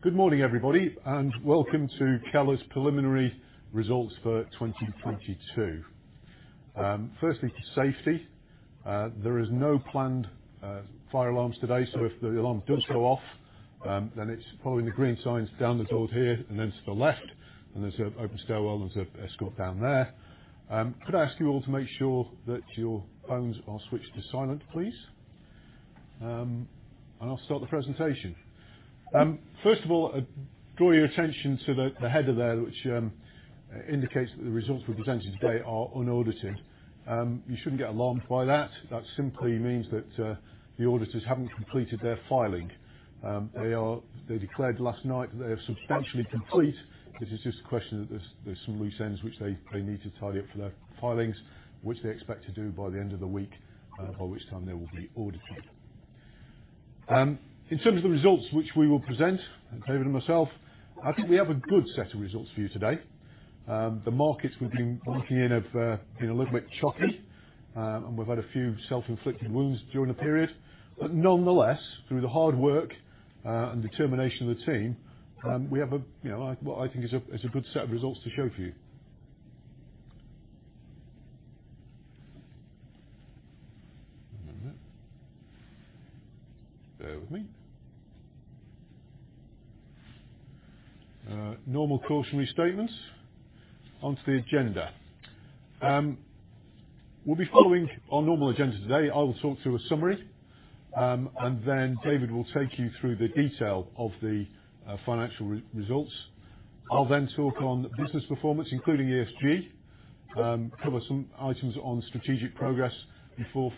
Good morning, everybody, and welcome to Keller's Preliminary Results for 2022. Firstly, safety. There is no planned fire alarms today, so if the alarm does go off, then it's following the green signs down the door here and then to the left, and there's an open stairwell. There's an escort down there. Could I ask you all to make sure that your phones are switched to silent, please? I'll start the presentation. First of all, draw your attention to the header there, which indicates that the results we're presenting today are unaudited. You shouldn't get alarmed by that. That simply means that the auditors haven't completed their filing. They declared last night that they are substantially complete. This is just a question that there's some loose ends which they need to tidy up for their filings, which they expect to do by the end of the week, by which time they will be audited. In terms of the results which we will present, and David and myself, I think we have a good set of results for you today. The markets we've been looking in have been a little bit choppy, and we've had a few self-inflicted wounds during the period. Nonetheless, through the hard work, and determination of the team, we have a, you know, what I think is a, is a good set of results to show to you. One moment. Bear with me. Normal cautionary statements. On to the agenda. We'll be following our normal agenda today. I will talk through a summary, and then David will take you through the detail of the financial results. I'll then talk on business performance, including ESG, cover some items on strategic progress before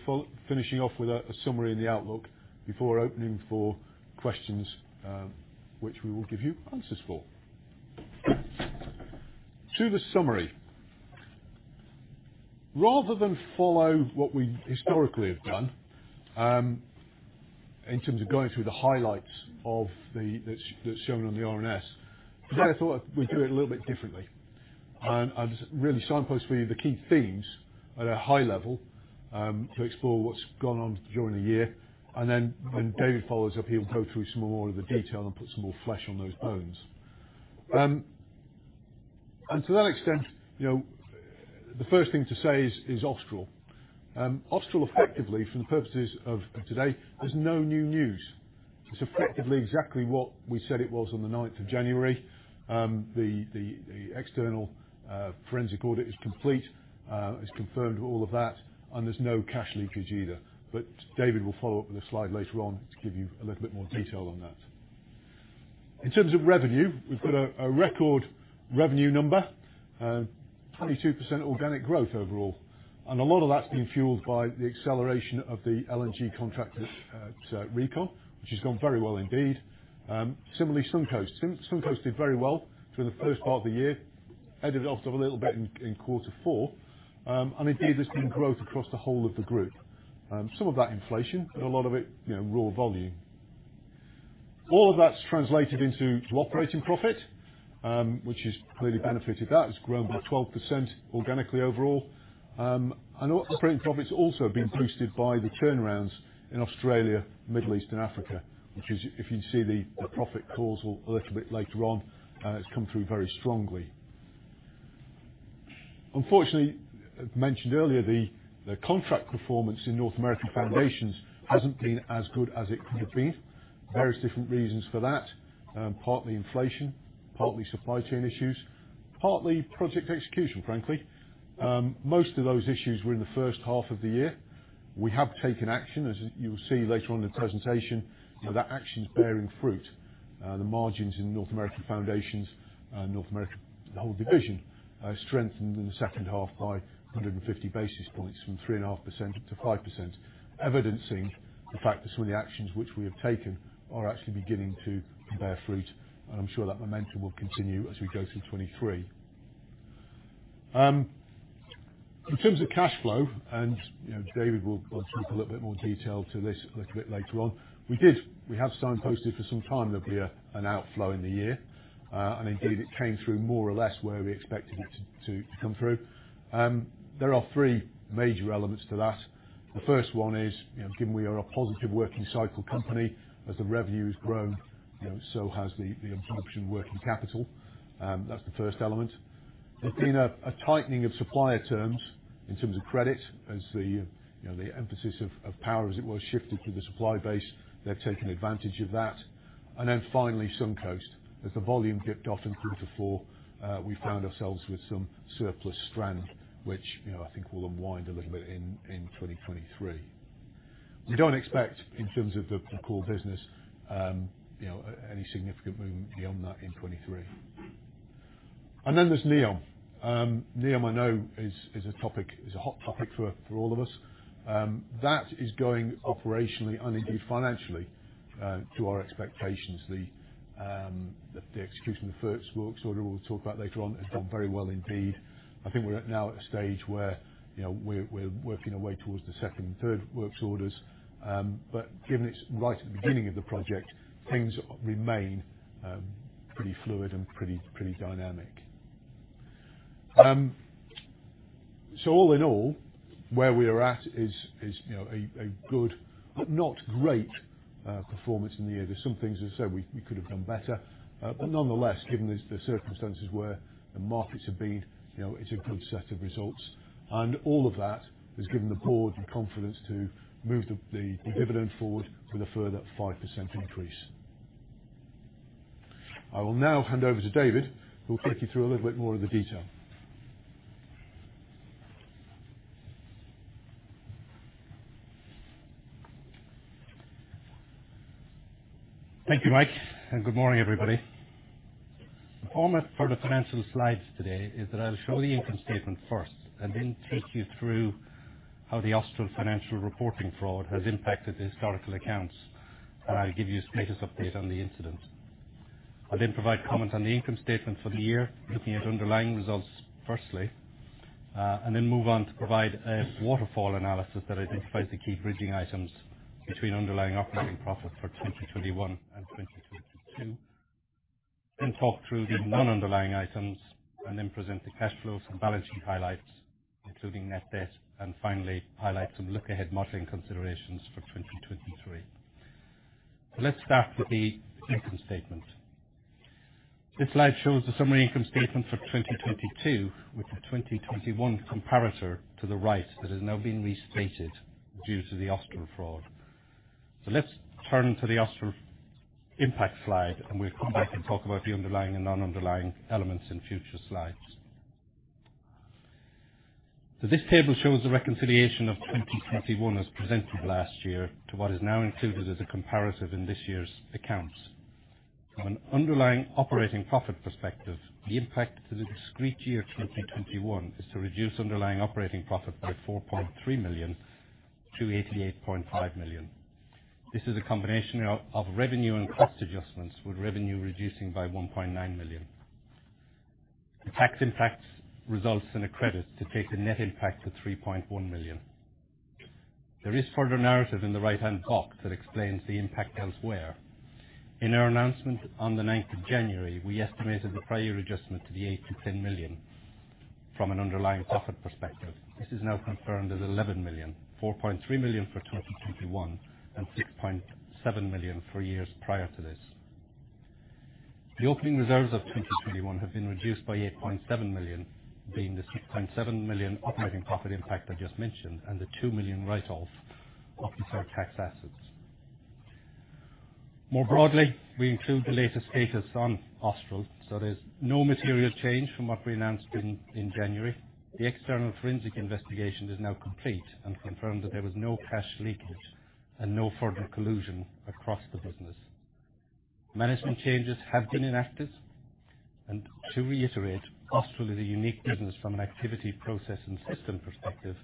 finishing off with a summary and the outlook before opening for questions, which we will give you answers for. To the summary. Rather than follow what we historically have done, in terms of going through the highlights of the that's shown on the RNS, today I thought we'd do it a little bit differently and really signpost for you the key themes at a high level to explore what's gone on during the year. When David follows up, he'll go through some more of the detail and put some more flesh on those bones. To that extent, you know, the first thing to say is Austral. Austral effectively, for the purposes of today, there's no new news. It's effectively exactly what we said it was on the ninth of January. The external forensic audit is complete. It's confirmed all of that, there's no cash leakage either. David will follow up with a slide later on to give you a little bit more detail on that. In terms of revenue, we've got a record revenue number, 22% organic growth overall. A lot of that's been fueled by the acceleration of the LNG contract at RECON, which has gone very well indeed. Similarly, Suncoast. Suncoast did very well through the first part of the year, edged it off a little bit in quarter four. There's been growth across the whole of the group. Some of that inflation, but a lot of it, you know, raw volume. All of that's translated into operating profit, which has clearly benefited. That has grown by 12% organically overall. Operating profits also have been boosted by the turnarounds in Australia, Middle East and Africa, which is, if you see the profit calls a little bit later on, it's come through very strongly. Mentioned earlier, the contract performance in Keller North America hasn't been as good as it could have been. Various different reasons for that. Partly inflation, partly supply chain issues, partly project execution, frankly. Most of those issues were in the first half of the year. We have taken action, as you will see later on in the presentation. You know, that action is bearing fruit. The margins in Keller North America, North America, the whole division, strengthened in the second half by 150 basis points from 3.5% up to 5%, evidencing the fact that some of the actions which we have taken are actually beginning to bear fruit. I'm sure that momentum will continue as we go through 2023. In terms of cash flow, you know, David will go through a little bit more detail to this a little bit later on. We have signposted for some time there will be an outflow in the year. Indeed, it came through more or less where we expected it to come through. There are 3 major elements to that. The first one is, you know, given we are a positive working cycle company, as the revenue has grown, you know, so has the absorption working capital. That's the first element. There's been a tightening of supplier terms in terms of credit. As the, you know, the emphasis of power as it was shifted to the supply base, they've taken advantage of that. Finally, Suncoast. As the volume dipped off in quarter four, we found ourselves with some surplus strand, which, you know, I think we'll unwind a little bit in 2023. We don't expect in terms of the core business, you know, any significant movement beyond that in 2023. There's NEOM. NEOM I know is a topic, is a hot topic for all of us. That is going operationally and indeed financially to our expectations. The execution of the first works order we'll talk about later on has done very well indeed. I think we're at now at a stage where, you know, we're working our way towards the second and third works orders. Given it's right at the beginning of the project, things remain pretty fluid and pretty dynamic. All in all, where we are at is, you know, a good but not great performance in the year. There's some things, as I said, we could have done better. Nonetheless, given the circumstances where the markets have been, you know, it's a good set of results. All of that has given the board the confidence to move the dividend for ward with a further 5% increase. I will now hand over to David, who will take you through a little bit more of the detail. Thank you, Mike. Good morning, everybody. The format for the financial slides today is that I'll show the income statement first and then take you through how the Austral financial reporting fraud has impacted the historical accounts, and I'll give you the status update on the incident. I'll then provide comment on the income statement for the year, looking at underlying results firstly, and then move on to provide a waterfall analysis that identifies the key bridging items between underlying operating profit for 2021 and 2022. Talk through the non-underlying items and then present the cash flows and balancing highlights, including net debt, and finally highlight some look-ahead modeling considerations for 2023. Let's start with the income statement. This slide shows the summary income statement for 2022 with the 2021 comparator to the right that has now been restated due to the Austral fraud. Let's turn to the Austral impact slide, and we'll come back and talk about the underlying and non-underlying elements in future slides. This table shows the reconciliation of 2021 as presented last year to what is now included as a comparative in this year's accounts. From an underlying operating profit perspective, the impact to the discrete year 2021 is to reduce underlying operating profit by 4.3 million to 88.5 million. This is a combination of revenue and cost adjustments, with revenue reducing by 1.9 million. The tax impact results in a credit to take the net impact to 3.1 million. There is further narrative in the right-hand box that explains the impact elsewhere. In our announcement on the ninth of January, we estimated the prior year adjustment to be 8 million-10 million from an underlying profit perspective. This is now confirmed as 11 million, 4.3 million for 2021 and 6.7 million for years prior to this. The opening reserves of 2021 have been reduced by 8.7 million, being the 6.7 million operating profit impact I just mentioned and the 2 million write-off of deferred tax assets. More broadly, we include the latest status on Austral, so there's no material change from what we announced in January. The external forensic investigation is now complete and confirmed that there was no cash leakage and no further collusion across the business. Management changes have been enacted. To reiterate, Austral is a unique business from an activity, process and system perspective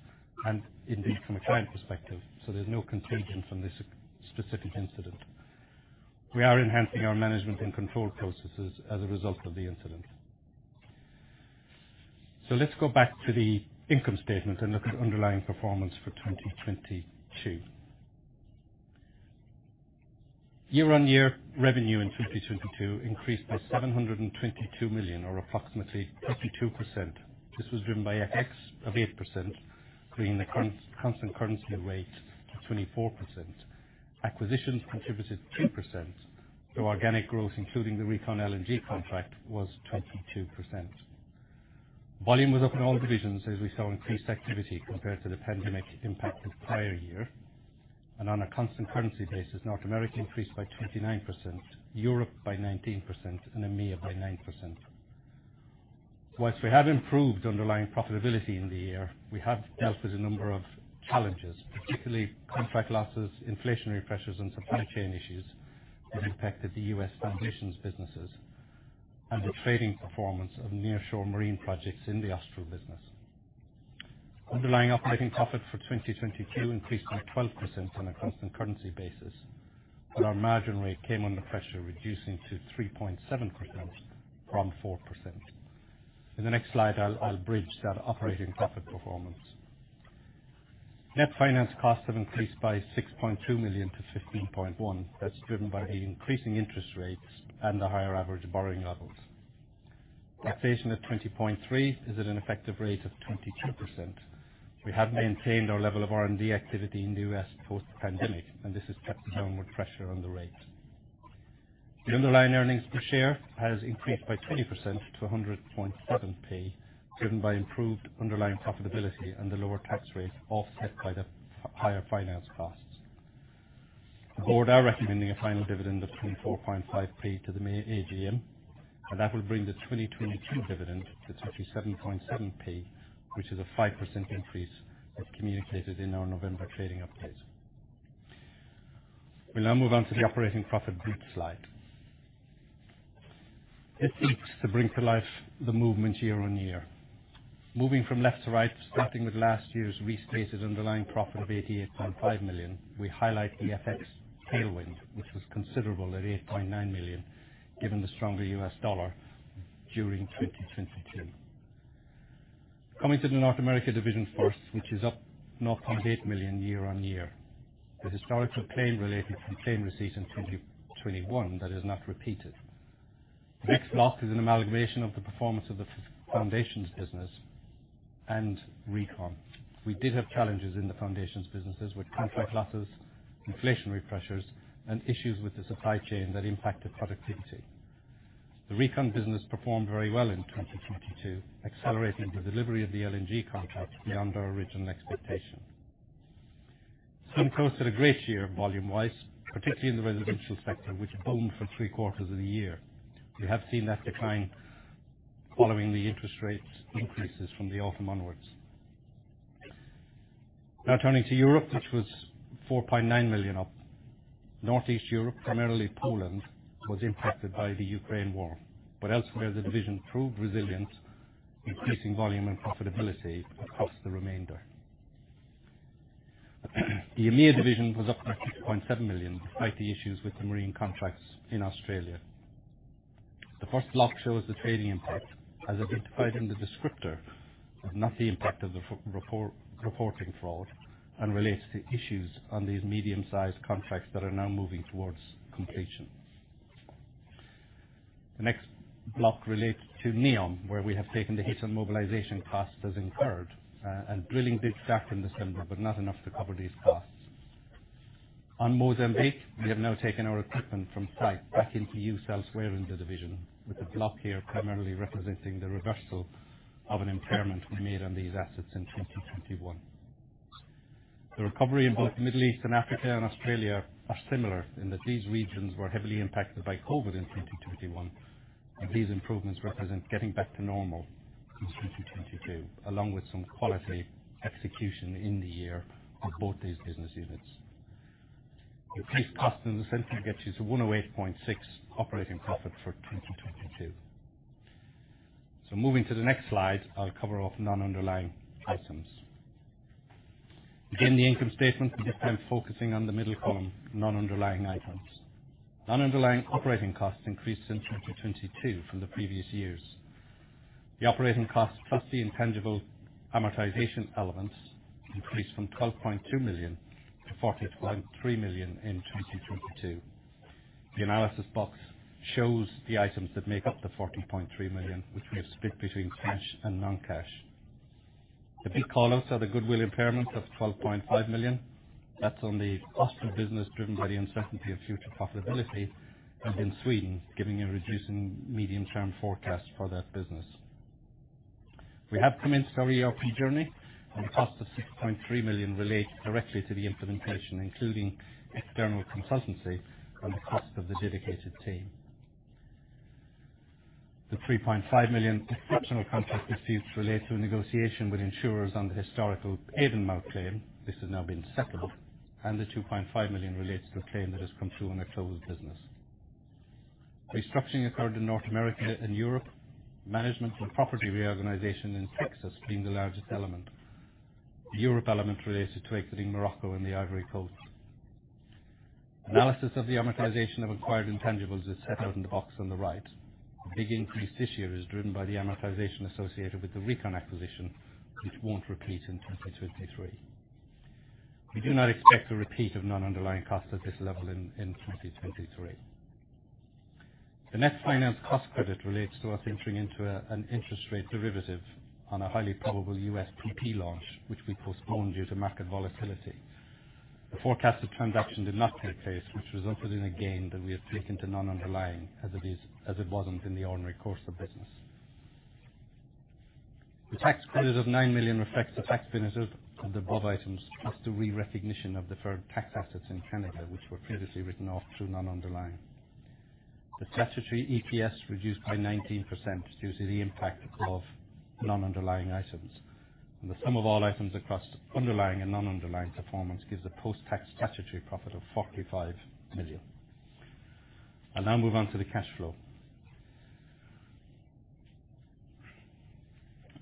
and indeed from a client perspective, so there's no contagion from this specific incident. We are enhancing our management and control processes as a result of the incident. Let's go back to the income statement and look at underlying performance for 2022. Year-on-year revenue in 2022 increased by 722 million or approximately 32%. This was driven by FX of 8%, creating a constant currency rate of 24%. Acquisitions contributed 2%, so organic growth, including the RECON LNG contract, was 22%. Volume was up in all divisions as we saw increased activity compared to the pandemic impacted prior year. On a constant currency basis, North America increased by 29%, Europe by 19% and AMEA by 9%. Whilst we have improved underlying profitability in the year, we have dealt with a number of challenges, particularly contract losses, inflationary pressures and supply chain issues that impacted the U.S. foundations businesses and the trading performance of nearshore marine projects in the Austral business. Underlying operating profit for 2022 increased by 12% on a constant currency basis. Our margin rate came under pressure, reducing to 3.7% from 4%. In the next slide, I'll bridge that operating profit performance. Net finance costs have increased by 6.2 million to 15.1 million. That's driven by increasing interest rates and the higher average borrowing levels. Taxation of 20.3 million is at an effective rate of 22%. We have maintained our level of R&D activity in the U.S. post-pandemic. This has kept downward pressure on the rate. The underlying earnings per share has increased by 20% to 100.7p, driven by improved underlying profitability and the lower tax rate offset by the higher finance costs. The board are recommending a final dividend of 24.5p to the May AGM. That will bring the 2022 dividend to 27.7p, which is a 5% increase as communicated in our November trading update. We now move on to the operating profit bridge slide. This seeks to bring to life the movement year-over-year. Moving from left to right, starting with last year's restated underlying profit of 88.5 million, we highlight the FX tailwind, which was considerable at $8.9 million, given the stronger US dollar during 2022. Coming to the North America division first, which is up north of $8 million year-over-year. The historical claim related to claim receipts in 2021 that is not repeated. The next block is an amalgamation of the performance of the foundations business and RECON. We did have challenges in the foundations businesses with contract losses, inflationary pressures, and issues with the supply chain that impacted productivity. The RECON business performed very well in 2022, accelerating the delivery of the LNG contract beyond our original expectations. Suncoast had a great year volume wise, particularly in the residential sector, which boomed for three quarters of the year. We have seen that decline following the interest rate increases from the autumn onwards. Turning to Europe, which was 4.9 million up. Northeast Europe, primarily Poland, was impacted by the Ukraine war. Elsewhere, the division proved resilient, increasing volume and profitability across the remainder. The AMEA division was up by 6.7 million, despite the issues with the marine contracts in Australia. The first block shows the trading impact as identified in the descriptor, but not the impact of the reporting fraud and relates to issues on these medium-sized contracts that are now moving towards completion. The next block relates to NEOM, where we have taken the hit on mobilization costs as incurred, and drilling did start in December, but not enough to cover these costs. On Mozambique, we have now taken our equipment from site back into use elsewhere in the division, with the block here primarily representing the reversal of an impairment we made on these assets in 2021. The recovery in both Middle East and Africa and Australia are similar in that these regions were heavily impacted by COVID in 2021, and these improvements represent getting back to normal in 2022, along with some quality execution in the year on both these business units. Decrease cost in the center gets you to 108.6 operating profit for 2022. Moving to the next slide, I'll cover off non-underlying items. Again, the income statement, this time focusing on the middle column, non-underlying items. Non-underlying operating costs increased in 2022 from the previous years. The operating costs, plus the intangible amortization elements, increased from 12.2 million to 14.3 million in 2022. The analysis box shows the items that make up the 14.3 million, which we have split between cash and non-cash. The big callouts are the goodwill impairment of 12.5 million. That's on the cost of business driven by the uncertainty of future profitability and in Sweden, giving a reducing medium-term forecast for that business. We have commenced our ERP journey. The cost of 6.3 million relates directly to the implementation, including external consultancy and the cost of the dedicated team. The 3.5 million exceptional contract disputes relate to a negotiation with insurers on the historical Avonmouth claim. This has now been settled, and the 2.5 million relates to a claim that has come through on a closed business. Restructuring occurred in North America and Europe. Management and property reorganization in Texas being the largest element. The Europe element related to exiting Morocco and the Ivory Coast. Analysis of the amortization of acquired intangibles is set out in the box on the right. The big increase this year is driven by the amortization associated with the RECON acquisition, which won't repeat in 2023. We do not expect a repeat of non-underlying costs at this level in 2023. The net finance cost credit relates to us entering into an interest rate derivative on a highly probable USPP launch, which we postponed due to market volatility. The forecasted transaction did not take place, which resulted in a gain that we have taken to non-underlying as it wasn't in the ordinary course of business. The tax credit of 9 million reflects the tax benefits of the above items, plus the re-recognition of deferred tax assets in Canada, which were previously written off through non-underlying. The statutory EPS reduced by 19% due to the impact of non-underlying items. The sum of all items across the underlying and non-underlying performance gives a post-tax statutory profit of 45 million. I'll now move on to the cash flow.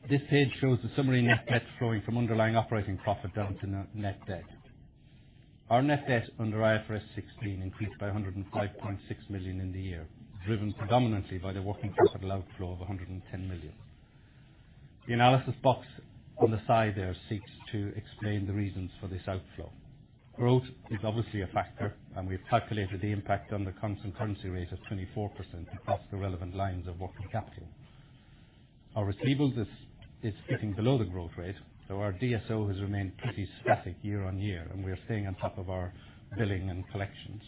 This page shows the summary net debt flowing from underlying operating profit down to net debt. Our net debt under IFRS 16 increased by 105.6 million in the year, driven predominantly by the working capital outflow of 110 million. The analysis box on the side there seeks to explain the reasons for this outflow. Growth is obviously a factor, and we've calculated the impact on the constant currency rate of 24% across the relevant lines of working capital. Our receivables is sitting below the growth rate, so our DSO has remained pretty static year-on-year. We are staying on top of our billing and collections.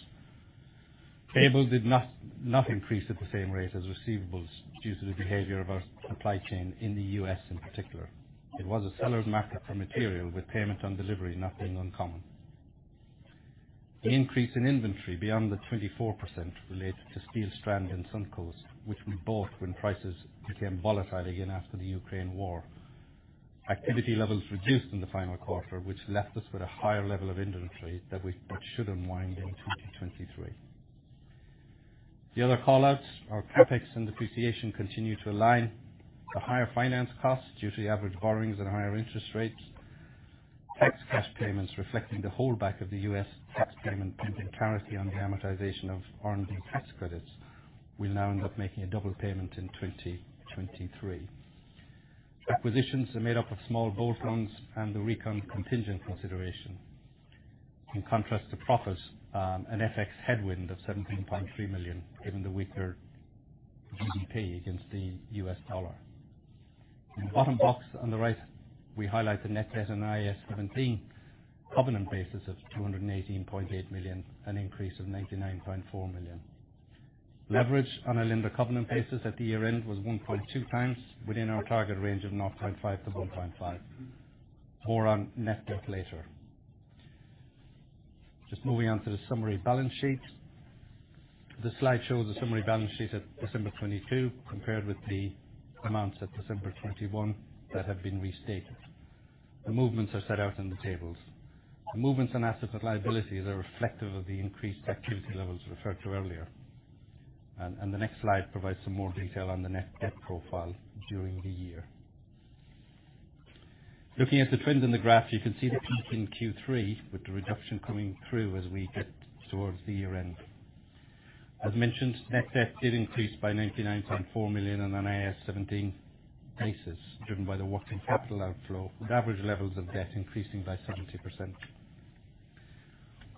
Payables did not increase at the same rate as receivables due to the behavior of our supply chain in the U.S. in particular. It was a seller's market for material, with payment on delivery not being uncommon. The increase in inventory beyond the 24% related to steel strand in Suncoast, which we bought when prices became volatile again after the Ukraine War. Activity levels reduced in the final quarter, which left us with a higher level of inventory that should unwind in 2023. The other callouts, our CapEx and depreciation continue to align. The higher finance costs due to the average borrowings at higher interest rates. Tax cash payments reflecting the holdback of the U.S. tax payment and in clarity on the amortization of R&D tax credits. We now end up making a double payment in 2023. Acquisitions are made up of small bolt-ons and the RECON contingent consideration. In contrast to profits, an FX headwind of 17.3 million, given the weaker GBP against the U.S. dollar. In the bottom box on the right, we highlight the net debt and IAS 17 covenant basis of 218.8 million, an increase of 99.4 million. Leverage on a lender covenant basis at the year-end was 1.2x within our target range of 0.5-1.5. More on net debt later. Just moving on to the summary balance sheet. The slide shows the summary balance sheet at December 22, compared with the amounts at December 21 that have been restated. The movements are set out in the tables. The movements in assets and liabilities are reflective of the increased activity levels referred to earlier. The next slide provides some more detail on the net debt profile during the year. Looking at the trends in the graph, you can see the peak in Q3 with the reduction coming through as we get towards the year-end. As mentioned, net debt did increase by 99.4 million on an IAS 17 basis, driven by the working capital outflow, with average levels of debt increasing by 70%.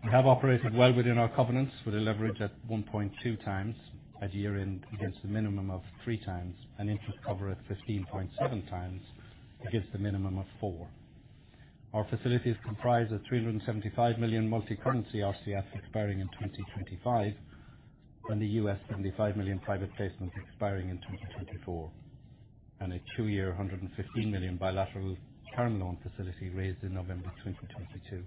We have operated well within our covenants with a leverage at 1.2 times at year-end against the minimum of 3 times, an interest cover of 15.7 times against the minimum of 4. Our facility is comprised of 375 million multi-currency RCF expiring in 2025 and the $75 million USPP expiring in 2024, and a 2-year, 115 million bilateral term loan facility raised in November 2022.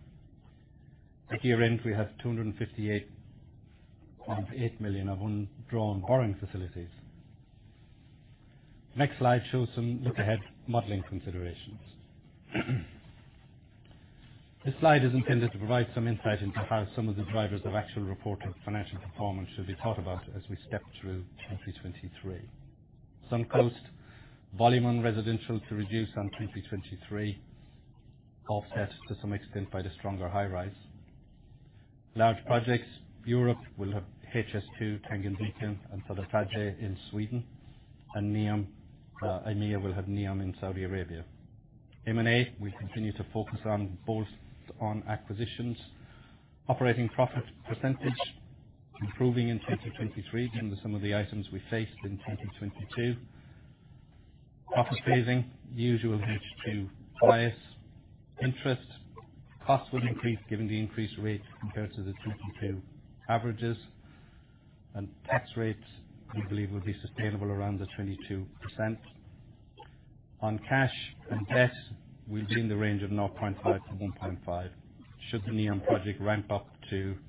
At year-end, we have 258.8 million of undrawn borrowing facilities. Slide shows some look-ahead modeling considerations. This slide is intended to provide some insight into how some of the drivers of actual reported financial performance should be thought about as we step through 2023. Suncoast volume on residential to reduce in 2023, offset to some extent by the stronger high rise. Large projects, Europe will have HS2, Tangenvika, and Förstadsgärdet in Sweden, and NEOM. AMEA will have NEOM in Saudi Arabia. M&A, we continue to focus on both on acquisitions. Operating profit % improving in 2023 due to some of the items we faced in 2022. Profit phasing, usual H2 bias. Interest costs will increase given the increased rate compared to the 22 averages. Tax rates, we believe, will be sustainable around the 22%. On cash and debt, we're doing the range of 0.5-1.5. Should the NEOM project ramp up in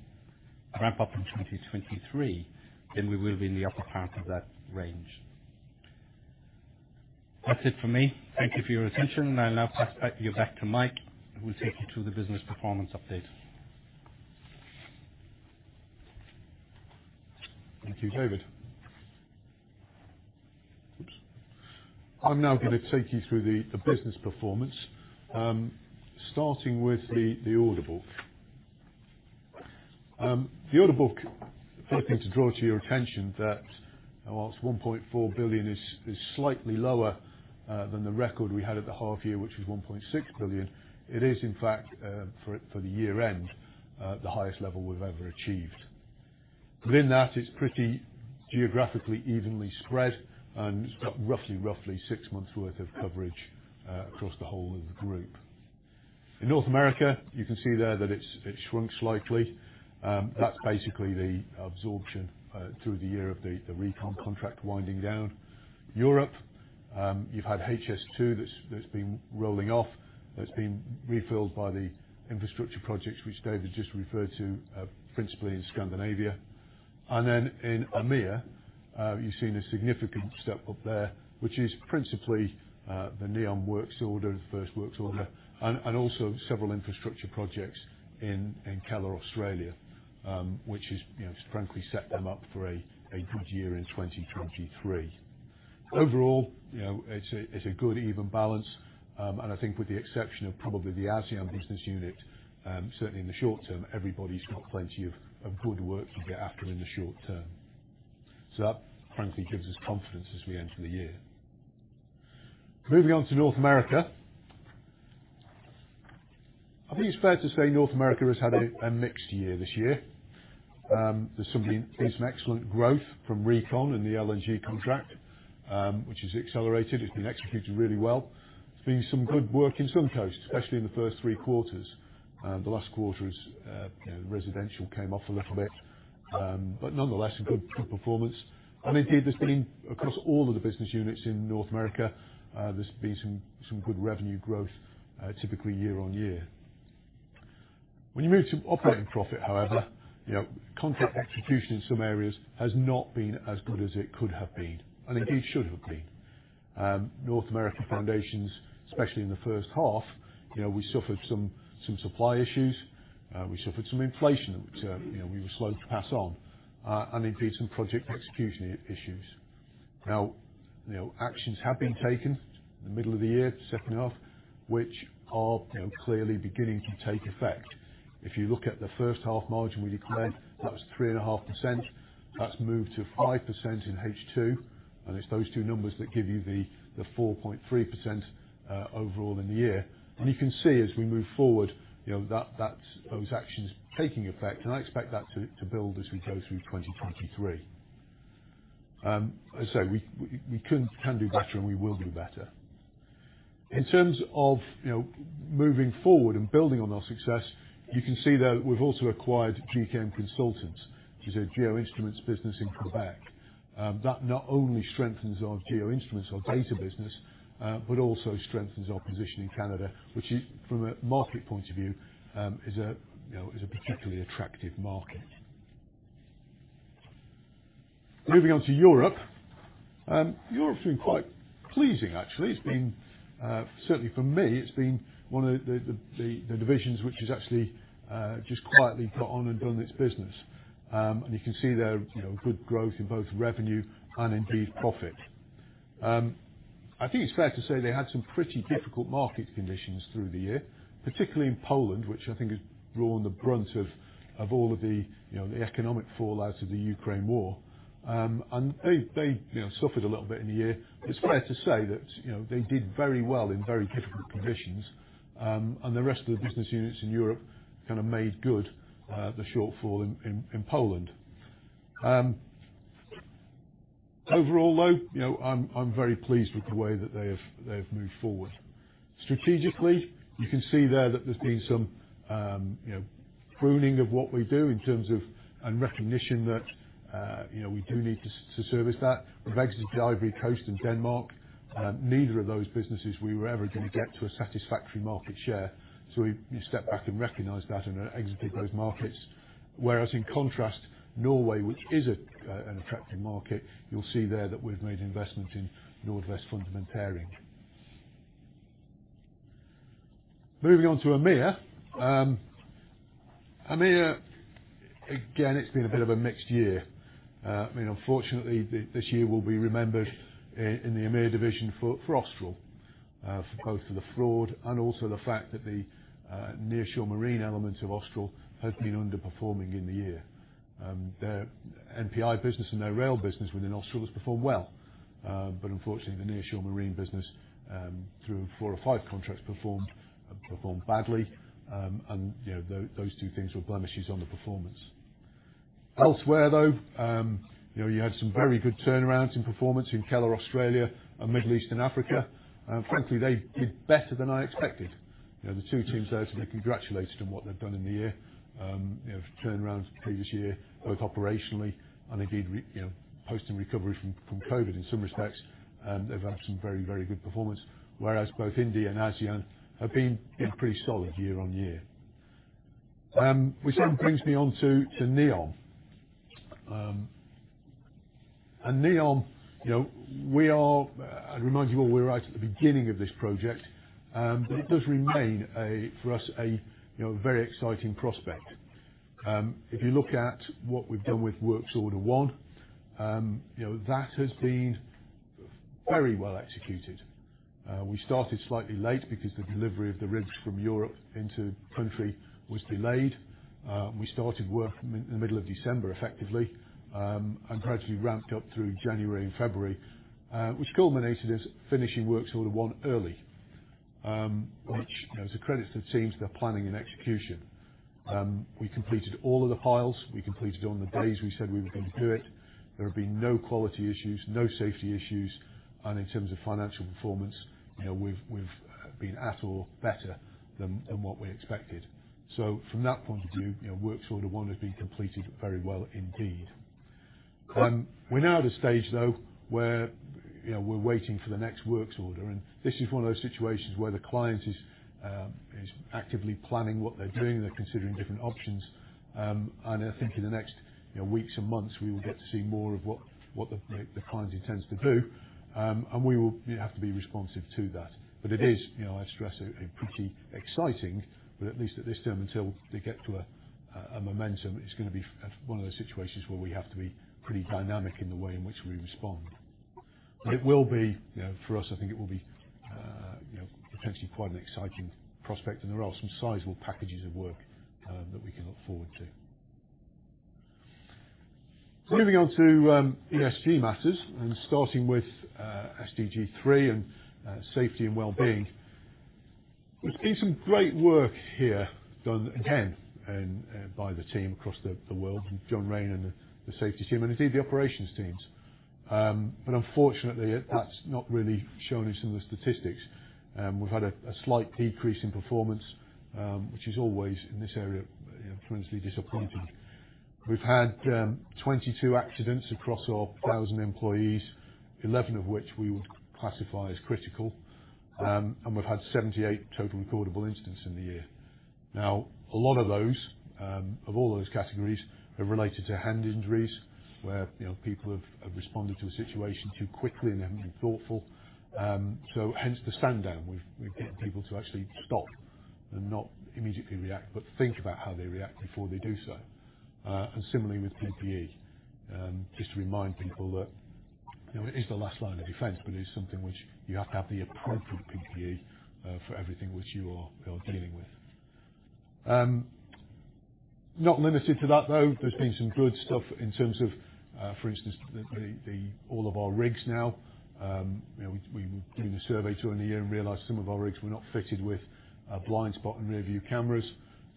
2023, then we will be in the upper part of that range. That's it for me. Thank you for your attention. I'll now pass you back to Mike, who will take you through the business performance update. Thank you, David. Oops. I'm now gonna take you through the business performance, starting with the order book. The order book, the first thing to draw to your attention that whilst 1.4 billion is slightly lower than the record we had at the half year, which was 1.6 billion, it is in fact for the year-end, the highest level we've ever achieved. Within that, it's pretty geographically evenly spread and it's got roughly 6 months worth of coverage across the whole of the group. In North America, you can see there that it shrunk slightly. That's basically the absorption through the year of the RECON contract winding down. Europe, you've had HS2 that's been rolling off. That's been refilled by the infrastructure projects which David just referred to, principally in Scandinavia. In AMEA, you've seen a significant step up there, which is principally the NEOM works order, the first works order, and also several infrastructure projects in Keller Australia, which is, you know, frankly set them up for a good year in 2023. Overall, you know, it's a good even balance. I think with the exception of probably the ASEAN business unit, certainly in the short term, everybody's got plenty of good work to get after in the short term. That frankly gives us confidence as we enter the year. Moving on to North America. I think it's fair to say North America has had a mixed year this year. There's some excellent growth from RECON in the LNG contract, which has accelerated. It's been executed really well. There's been some good work in Suncoast, especially in the first three quarters. The last quarter is, you know, residential came off a little bit. Nonetheless, a good performance. Indeed, across all of the business units in North America, there's been some good revenue growth, typically year-on-year. When you move to operating profit, however, you know, contract execution in some areas has not been as good as it could have been, and indeed should have been. North American foundations, especially in the first half, you know, we suffered some supply issues. We suffered some inflation which, you know, we were slow to pass on. Indeed some project execution issues. Now, you know, actions have been taken in the middle of the year, the second half, which are, you know, clearly beginning to take effect. If you look at the first half margin we declared, that was 3.5%. That's moved to 5% in H2, and it's those two numbers that give you the 4.3% overall in the year. You can see as we move forward, you know, that's those actions taking effect, and I expect that to build as we go through 2023. As I say, we can do better, and we will do better. In terms of, you know, moving forward and building on our success, you can see that we've also acquired GKM Consultants Inc. This is a geo instruments business in Quebec, that not only strengthens our geo instruments, our data business, but also strengthens our position in Canada, which is from a market point of view, is a, you know, particularly attractive market. Moving on to Europe. Europe's been quite pleasing actually. It's been, certainly for me, it's been one of the divisions which has actually just quietly got on and done its business. You can see there, you know, good growth in both revenue and indeed profit. I think it's fair to say they had some pretty difficult market conditions through the year, particularly in Poland, which I think has drawn the brunt of all of the, you know, the economic fallout of the Ukraine war. They, you know, suffered a little bit in the year. It's fair to say that, you know, they did very well in very difficult conditions, and the rest of the business units in Europe kind of made good the shortfall in Poland. Overall though, you know, I'm very pleased with the way that they have moved forward. Strategically, you can see there that there's been some, you know, pruning of what we do in terms of, and recognition that, you know, we do need to service that. We've exited Ivory Coast and Denmark. Neither of those businesses we were ever going to get to a satisfactory market share. We stepped back and recognized that and then exited those markets. Whereas in contrast, Norway, which is an attractive market, you'll see there that we've made investment in Nordvest Fundamentering. Moving on to AMEA. AMEA, again, it's been a bit of a mixed year. I mean, unfortunately, this year will be remembered in the AMEA division for Austral, for both for the fraud and also the fact that the nearshore marine element of Austral has been underperforming in the year. Their NPI business and their rail business within Austral has performed well. But unfortunately, the nearshore marine business, through four or five contracts performed badly. And, you know, those two things were blemishes on the performance. Elsewhere, though, you know, you had some very good turnarounds in performance in Keller Australia and Middle East and Africa. Frankly, they did better than I expected. You know, the two teams there are to be congratulated on what they've done in the year. You know, turned around from the previous year, both operationally and indeed, you know, posting recovery from COVID in some respects. They've had some very, very good performance, whereas both India and ASEAN have been pretty solid year on year. Brings me on to NEOM. NEOM, you know, I remind you all we're right at the beginning of this project, it does remain a, for us, you know, very exciting prospect. If you look at what we've done with works order 1, you know, that has been very well executed. We started slightly late because the delivery of the rigs from Europe into country was delayed. We started work in the middle of December effectively, and gradually ramped up through January and February, which culminated in finishing works order 1 early, which, you know, is a credit to the teams, their planning and execution. We completed all of the piles. We completed on the days we said we were going to do it. There have been no quality issues, no safety issues. In terms of financial performance, you know, we've been at or better than what we expected. From that point of view, you know, works order 1 has been completed very well indeed. We're now at a stage though, where, you know, we're waiting for the next works order, and this is 1 of those situations where the client is actively planning what they're doing. They're considering different options. I think in the next, you know, weeks and months, we will get to see more of what the client intends to do. We will, you know, have to be responsive to that. It is, you know, I stress, a pretty exciting, but at least at this term, until they get to a momentum, it's gonna be one of those situations where we have to be pretty dynamic in the way in which we respond. It will be, you know, for us, I think it will be, you know, potentially quite an exciting prospect. There are some sizable packages of work that we can look forward to. Moving on to ESG matters and starting with SDG 3 and safety and wellbeing. We've seen some great work here done again and by the team across the world, John Raine and the safety team, and indeed the operations teams. Unfortunately, that's not really shown in some of the statistics. We've had a slight decrease in performance, which is always in this area, you know, frankly disappointing. We've had 22 accidents across our 1,000 employees, 11 of which we would classify as critical. We've had 78 total recordable incidents in the year. A lot of those of all those categories are related to hand injuries, where, you know, people have responded to a situation too quickly and they haven't been thoughtful. Hence the sand down. We've get people to actually stop and not immediately react, but think about how they react before they do so. Similarly with PPE. Just to remind people that, you know, it is the last line of defense, but it is something which you have to have the appropriate PPE for everything which you are dealing with. Not limited to that, though. There's been some good stuff in terms of, for instance, all of our rigs now. You know, we were doing a survey during the year and realized some of our rigs were not fitted with blind spot and rearview cameras,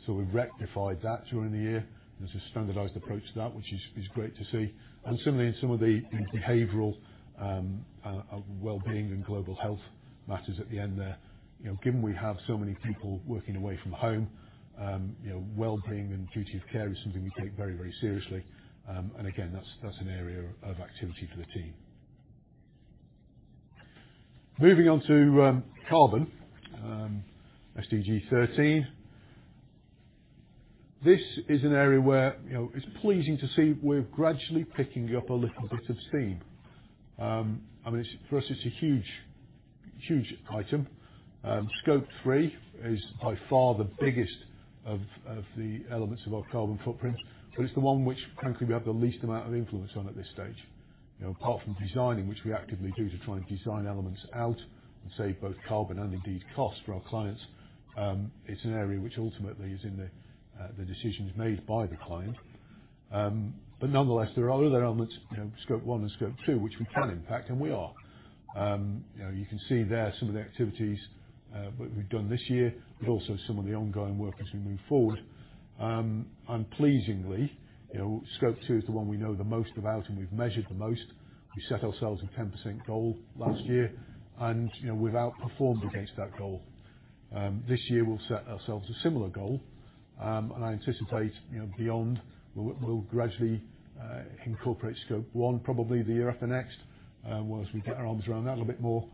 so we rectified that during the year. There's a standardized approach to that which is great to see. Similarly in some of the, in behavioral, wellbeing and global health matters at the end there. You know, given we have so many people working away from home, you know, wellbeing and duty of care is something we take very, very seriously. Again, that's an area of activity for the team. Moving on to carbon, SDG 13. This is an area where, you know, it's pleasing to see we're gradually picking up a little bit of steam. I mean, for us it's a huge, huge item. Scope 3 is by far the biggest of the elements of our carbon footprint, but it's the one which frankly we have the least amount of influence on at this stage. You know, apart from designing, which we actively do to try and design elements out and save both carbon and indeed cost for our clients, it's an area which ultimately is in the decisions made by the client. Nonetheless, there are other elements, you know, scope one and scope two, which we can impact, and we are. You know, you can see there some of the activities we've done this year, but also some of the ongoing work as we move forward. Unpleasingly, you know, scope two is the one we know the most about and we've measured the most. We set ourselves a 10% goal last year and, you know, we've outperformed against that goal. This year we'll set ourselves a similar goal. I anticipate, you know, beyond we'll gradually incorporate scope one probably the year after next, once we get our arms around that a little bit more,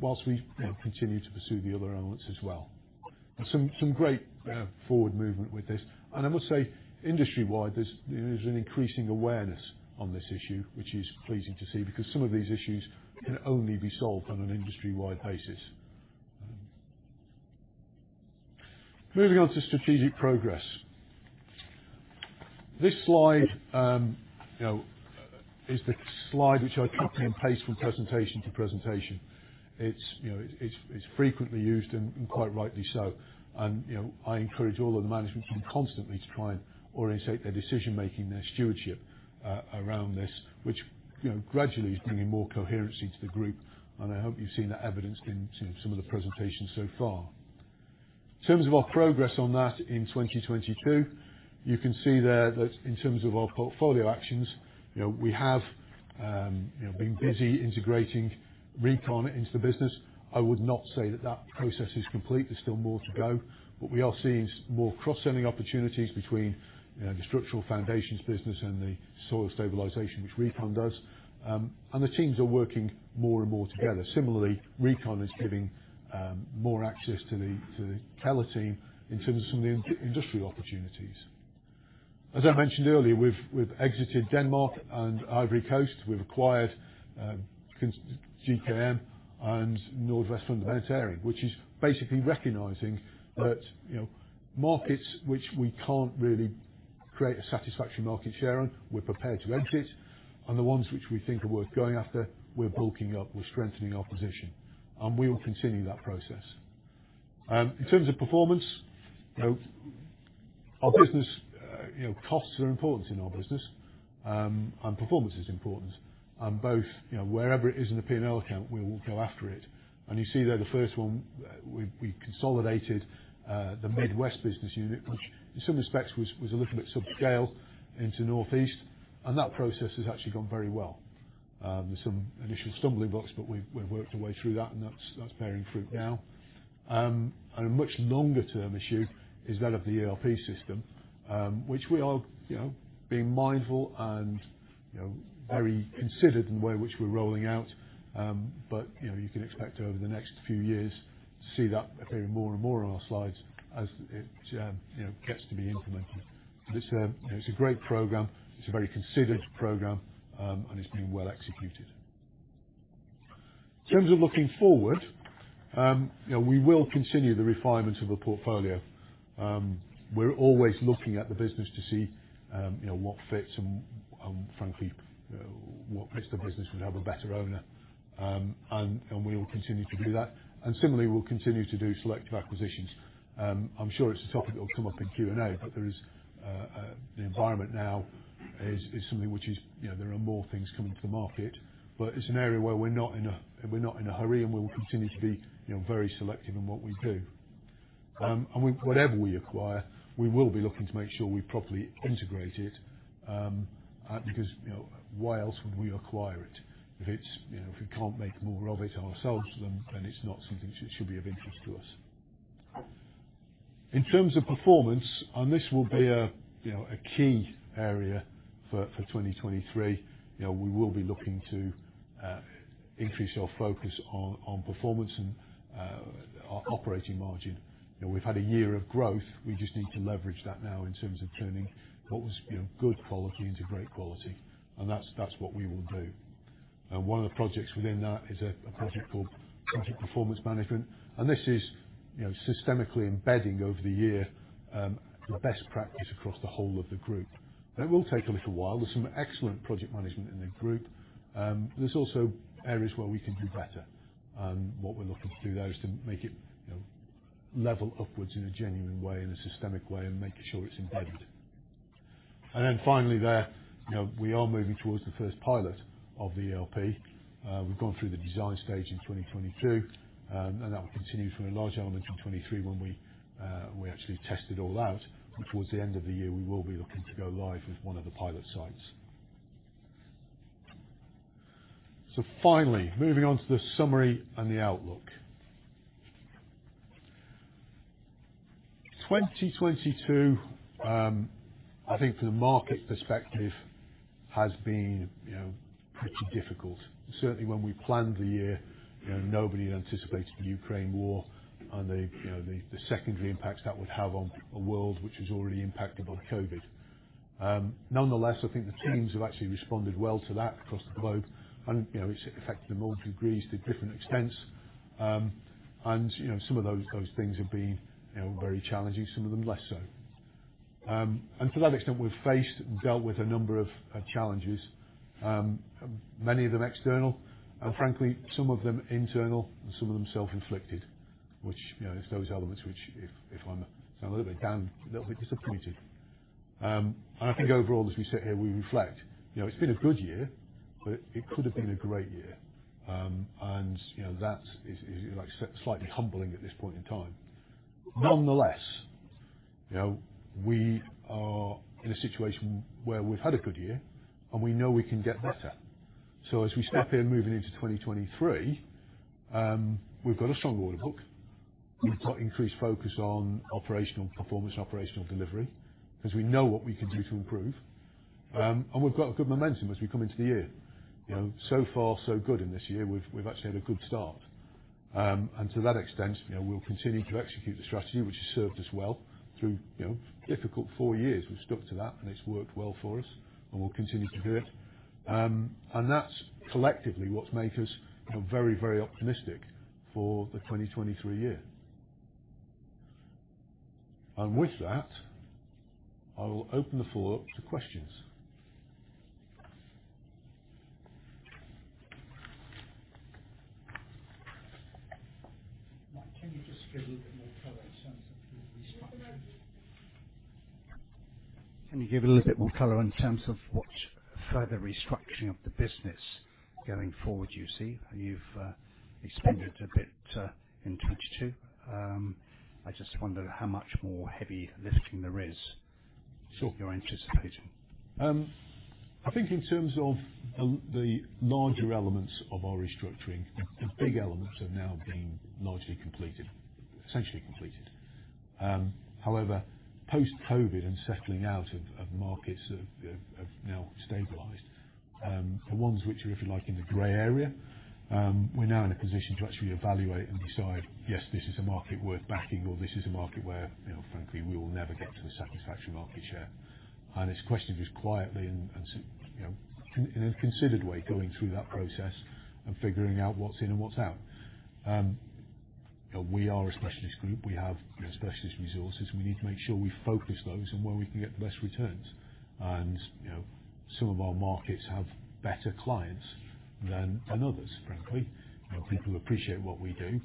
whilst we, you know, continue to pursue the other elements as well. Some great forward movement with this. I must say industry-wide, there's an increasing awareness on this issue, which is pleasing to see because some of these issues can only be solved on an industry-wide basis. Moving on to strategic progress. This slide, you know, is the slide which I copy and paste from presentation to presentation. It's, you know, it's frequently used, and quite rightly so. You know, I encourage all of the management team constantly to try and orientate their decision-making, their stewardship around this which, you know, gradually is bringing more coherency to the group, and I hope you've seen that evidenced in some of the presentations so far. In terms of our progress on that in 2022, you can see there that in terms of our portfolio actions, you know, we have, you know, been busy integrating RECON into the business. I would not say that that process is complete. There's still more to go. What we are seeing is more cross-selling opportunities between, you know, the structural foundations business and the soil stabilization, which RECON does. The teams are working more and more together. Similarly, RECON is giving more access to the, to the Keller team in terms of some of the in-industry opportunities. As I mentioned earlier, we've exited Denmark and Ivory Coast. We've acquired GKM and Nordvest Fundamentering, which is basically recognizing that, you know, markets which we can't really create a satisfactory market share on, we're prepared to exit, and the ones which we think are worth going after, we're bulking up, we're strengthening our position. We will continue that process. In terms of performance, you know, our business, you know, costs are important in our business, and performance is important. Both, you know, wherever it is in the P&L account, we will go after it. You see there the first one, we consolidated the Midwest business unit, which in some respects was a little bit subscale into Northeast, and that process has actually gone very well. There's some initial stumbling blocks, but we've worked our way through that and that's bearing fruit now. A much longer-term issue is that of the ERP system, which we are, you know, being mindful and, you know, very considered in the way in which we're rolling out. You know, you can expect over the next few years to see that appearing more and more on our slides as it, you know, gets to be implemented. It's a, you know, it's a great program. It's a very considered program, and it's being well executed. In terms of looking forward, you know, we will continue the refinement of the portfolio. We're always looking at the business to see, you know, what fits and frankly, what bits of business would have a better owner. We will continue to do that. Similarly, we'll continue to do selective acquisitions. I'm sure it's a topic that will come up in Q&A, but there is the environment now is something which is, you know, there are more things coming to the market. It's an area where we're not in a hurry, and we will continue to be, you know, very selective in what we do. Whatever we acquire, we will be looking to make sure we properly integrate it, because, you know, why else would we acquire it? If it's... you know, if we can't make more of it ourselves, then it's not something which should be of interest to us. In terms of performance, and this will be a, you know, a key area for 2023, you know, we will be looking to increase our focus on performance and operating margin. You know, we've had a year of growth. We just need to leverage that now in terms of turning what was, you know, good quality into great quality, and that's what we will do. One of the projects within that is a project called Project Performance Management, and this is, you know, systemically embedding over the year best practice across the whole of the group. That will take a little while. There's some excellent project management in the group, but there's also areas where we can do better. What we're looking to do there is to make it, you know, level upwards in a genuine way, in a systemic way, and making sure it's embedded. Then finally there, you know, we are moving towards the first pilot of VLP. We've gone through the design stage in 2022, and that will continue for a large element in 2023 when we actually test it all out. Towards the end of the year, we will be looking to go live with one of the pilot sites. Finally, moving on to the summary and the outlook. 2022, I think from a market perspective has been, you know, pretty difficult. Certainly when we planned the year, you know, nobody had anticipated the Ukraine War and the, you know, the secondary impacts that would have on a world which was already impacted by COVID. Nonetheless, I think the teams have actually responded well to that across the globe and, you know, it's affected them all degrees to different extents. You know, some of those things have been, you know, very challenging, some of them less so. To that extent, we've faced and dealt with a number of challenges, many of them external, and frankly, some of them internal, and some of them self-inflicted, which, you know, it's those elements which if I'm sound a little bit down, a little bit disappointed. I think overall, as we sit here, we reflect, you know, it's been a good year, but it could have been a great year. You know, that is, like, slightly humbling at this point in time. Nonetheless, you know, we are in a situation where we've had a good year, and we know we can get better. As we sit here moving into 2023, we've got a strong order book. We've got increased focus on operational performance, operational delivery, because we know what we can do to improve. We've got a good momentum as we come into the year. You know, so far so good in this year. We've actually had a good start. To that extent, you know, we'll continue to execute the strategy, which has served us well. Through, you know, difficult 4 years, we've stuck to that, and it's worked well for us, and we'll continue to do it. That's collectively what's made us, you know, very, very optimistic for the 2023 year. With that, I will open the floor up to questions. Mike, can you just give a little bit more color in terms of the restructuring? Can you give a little bit more color in terms of what further restructuring of the business going forward you see? You've expanded a bit in 2022. I just wonder how much more heavy lifting there is sort you're anticipating. I think in terms of the larger elements of our restructuring, the big elements have now been largely completed, essentially completed. However, post-COVID and settling out of markets have now stabilized. The ones which are, if you like, in the gray area, we're now in a position to actually evaluate and decide, yes, this is a market worth backing, or this is a market where, you know, frankly, we will never get to a satisfactory market share. It's a question of just quietly and sort of, you know, in a considered way going through that process and figuring out what's in and what's out. You know, we are a specialist group. We have specialist resources. We need to make sure we focus those on where we can get the best returns. You know, some of our markets have better clients than others, frankly. You know, people who appreciate what we do,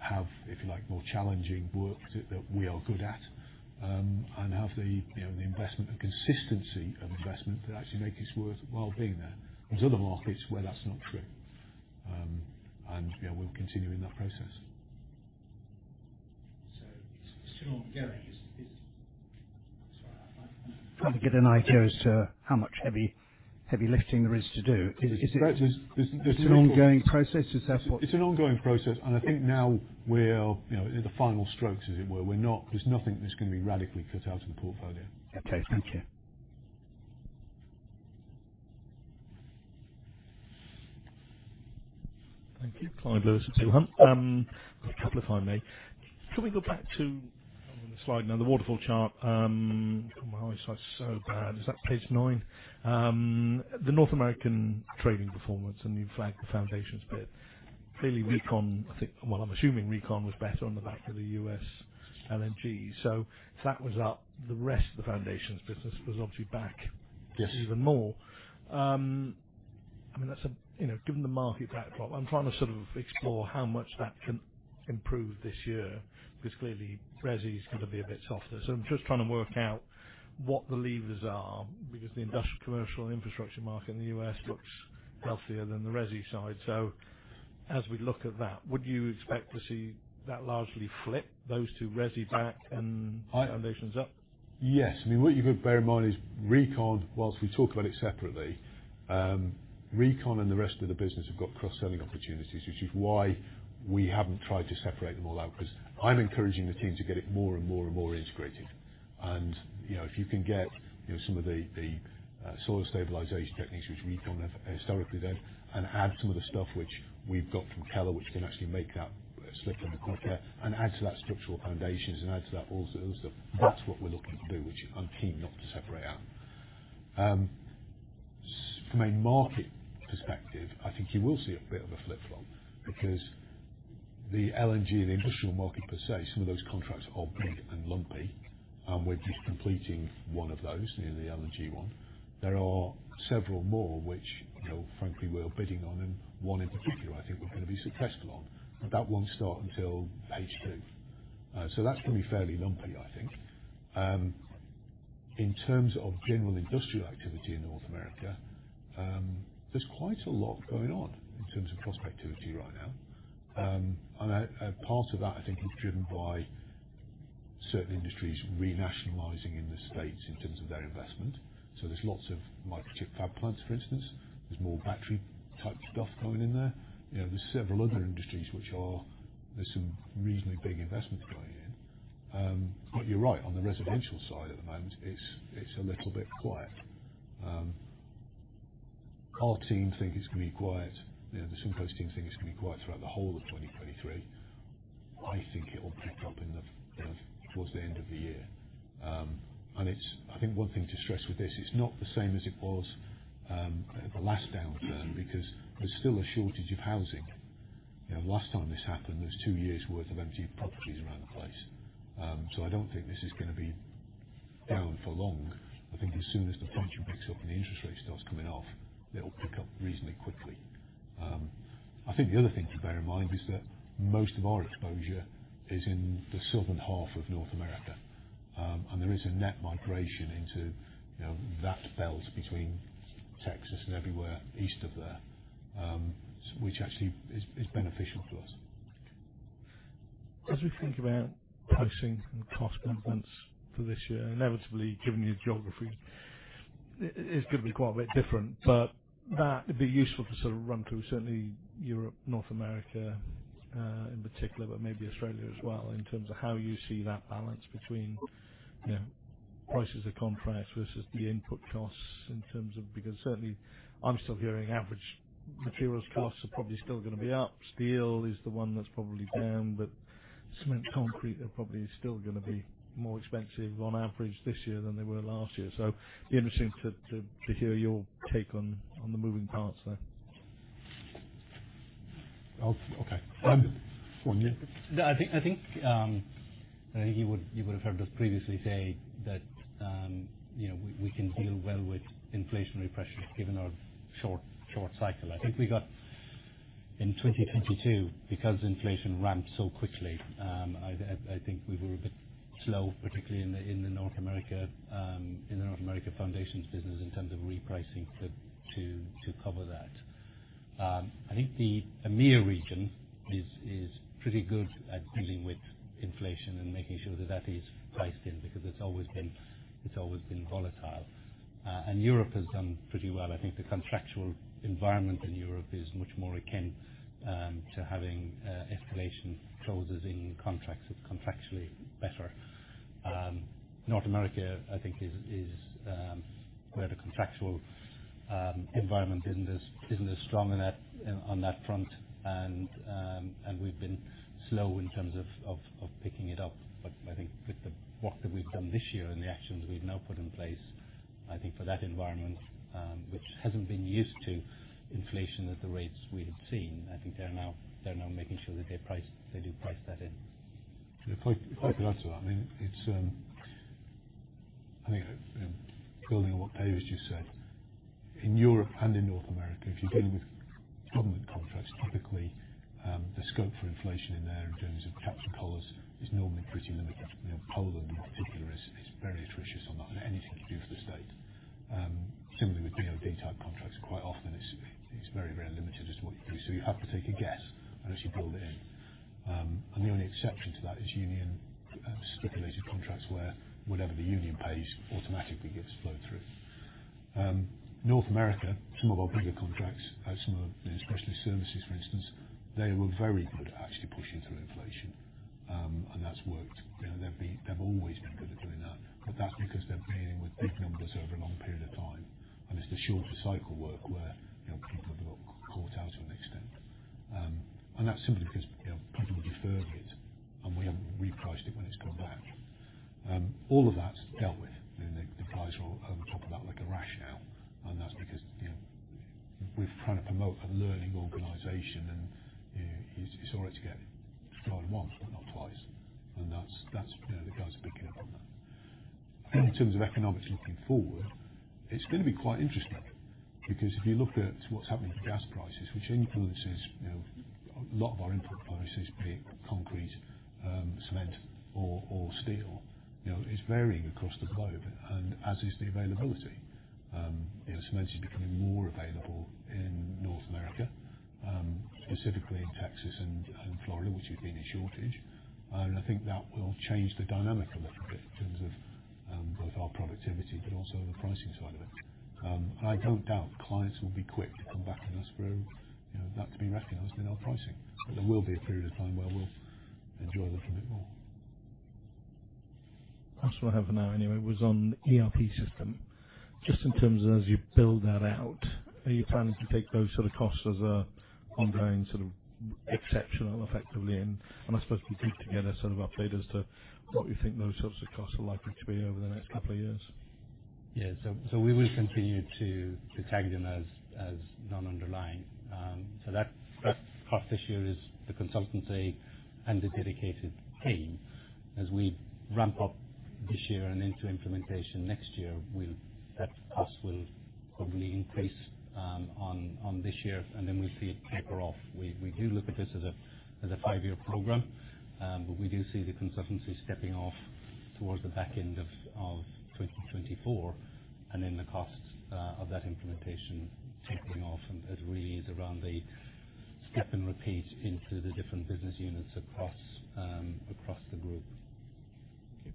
have, if you like, more challenging work that we are good at, and have the, you know, the investment, the consistency of investment that actually make this worthwhile being there. To other markets where that's not true. You know, we'll continue in that process. It's still ongoing. Sorry. Trying to get an idea as to how much heavy lifting there is to do. It's- It's an ongoing process? It's an ongoing process, I think now we're, you know, in the final strokes, as it were. There's nothing that's gonna be radically cut out of the portfolio. Okay, thank you. Thank you. Clyde Lewis at Peel Hunt. A couple if I may. Can we go back to the slide now, the waterfall chart? God, my eyesight's so bad. Is that page 9? The North American trading performance, you flagged the foundations bit. Clearly, RECON, I think, well, I'm assuming RECON was better on the back of the US LNG. If that was up, the rest of the foundations business was obviously. Yes. even more. I mean, that's a, you know, given the market backdrop, I'm trying to sort of explore how much that can improve this year, because clearly resi is gonna be a bit softer. I'm just trying to work out what the levers are because the industrial, commercial, and infrastructure market in the U.S. looks healthier than the resi side. As we look at that, would you expect to see that largely flip, those two, resi back and foundations up? Yes. I mean, what you've got to bear in mind is RECON, whilst we talk about it separately, RECON and the rest of the business have got cross-selling opportunities, which is why we haven't tried to separate them all out, because I'm encouraging the team to get it more and more and more integrated. You know, if you can get, you know, some of the soil stabilization techniques which RECON have historically then and add some of the stuff which we've got from Keller, which can actually make that slip and conquer, and add to that structural foundations and add to that all the other stuff, that's what we're looking to do, which I'm keen not to separate. From a market perspective, I think you will see a bit of a flip-flop because the LNG and the industrial market per se, some of those contracts are big and lumpy, and we're just completing one of those, you know, the LNG one. There are several more which, you know, frankly, we are bidding on, and one in particular I think we're gonna be successful on. That won't start until H2. So that's gonna be fairly lumpy, I think. In terms of general industrial activity in North America, there's quite a lot going on in terms of prospectivity right now. Part of that, I think, is driven by certain industries renationalizing in the States in terms of their investment. There's lots of microchip fab plants, for instance. There's more battery type stuff going in there. You know, there's several other industries. There's some reasonably big investments going in. You're right. On the residential side at the moment, it's a little bit quiet. Our team think it's gonna be quiet. You know, the Simpler team think it's gonna be quiet throughout the whole of 2023. I think it will pick up in the towards the end of the year. It's. I think one thing to stress with this, it's not the same as it was at the last downturn because there's still a shortage of housing. You know, last time this happened, there was two years worth of empty properties around the place. I don't think this is gonna be down for long. I think as soon as the function picks up and the interest rate starts coming off, it'll pick up reasonably quickly. I think the other thing to bear in mind is that most of our exposure is in the southern half of North America, and there is a net migration into, you know, that belt between Texas and everywhere east of there, which actually is beneficial to us. As we think about pricing and cost components for this year, inevitably, given your geography, it's gonna be quite a bit different. That, it'd be useful to sort of run through certainly Europe, North America, in particular, but maybe Australia as well, in terms of how you see that balance between, you know, prices of contracts versus the input costs in terms of. Certainly I'm still hearing average materials costs are probably still gonna be up. Steel is the one that's probably down, but cement, concrete are probably still gonna be more expensive on average this year than they were last year. Be interesting to hear your take on the moving parts there. No, I think you would have heard us previously say that, you know, we can deal well with inflationary pressures given our short cycle. In 2022, because inflation ramped so quickly, I think we were a bit slow, particularly in the North America foundations business in terms of repricing to cover that. I think the AMEA region is pretty good at dealing with inflation and making sure that that is priced in because it's always been volatile. Europe has done pretty well. I think the contractual environment in Europe is much more akin to having escalation clauses in contracts. It's contractually better. North America, I think, is where the contractual environment isn't as strong in that, on that front. We've been slow in terms of picking it up. I think with the work that we've done this year and the actions we've now put in place, I think for that environment, which hasn't been used to inflation at the rates we've seen, I think they're now making sure that they do price that in. If I can add to that, I mean, it's, I think, building on what Dave just said, in Europe and in North America, if you're dealing with government contracts, typically, the scope for inflation in there in terms of capture collars is normally pretty limited. You know, Poland in particular is very atrocious on that, on anything you do for the state. Similarly with DOD type contracts, quite often it's very, very limited as to what you can do, so you have to take a guess unless you build it in. And the only exception to that is union stipulated contracts where whatever the union pays automatically gets flowed through. North America, some of our bigger contracts, some of the specialty services, for instance, they were very good at actually pushing through inflation. And that's worked. You know, they've been, they've always been good at doing that, but that's because they're dealing with big numbers over a long period of time. It's the shorter cycle work where, you know, people have got caught out to an extent. That's simply because, you know, people have deferred it, and we haven't repriced it when it's come back. All of that's dealt with. You know, the guys will talk about like a rationale, and that's because, you know, we've tried to promote a learning organization, and you, it's all right to get fraud once but not twice. That's, you know, the guys are picking up on that. In terms of economics looking forward, it's gonna be quite interesting because if you look at what's happening to gas prices, which influences, you know, a lot of our input prices, be it concrete, cement or steel, you know, it's varying across the globe and as is the availability. You know, cement is becoming more available in North America, specifically in Texas and Florida, which had been in shortage. I think that will change the dynamic a little bit in terms of, both our productivity but also the pricing side of it. I don't doubt clients will be quick to come back to us for, you know, that to be recognized in our pricing. There will be a period of time where we'll enjoy a little bit more. Last one I have for now anyway was on ERP system. Just in terms of as you build that out, are you planning to take those sort of costs as a ongoing sort of exceptional effectively and I suppose can you give together sort of update as to what you think those sorts of costs are likely to be over the next couple of years? Yeah. We will continue to tag them as non-underlying. That cost this year is the consultancy and the dedicated team. As we ramp up this year and into implementation next year, that cost will probably increase on this year, and then we'll see it taper off. We do look at this as a 5-year program, but we do see the consultancies stepping off towards the back end of 2024, and then the costs of that implementation tapering off. It really is around the step and repeat into the different business units across the group. Thank you.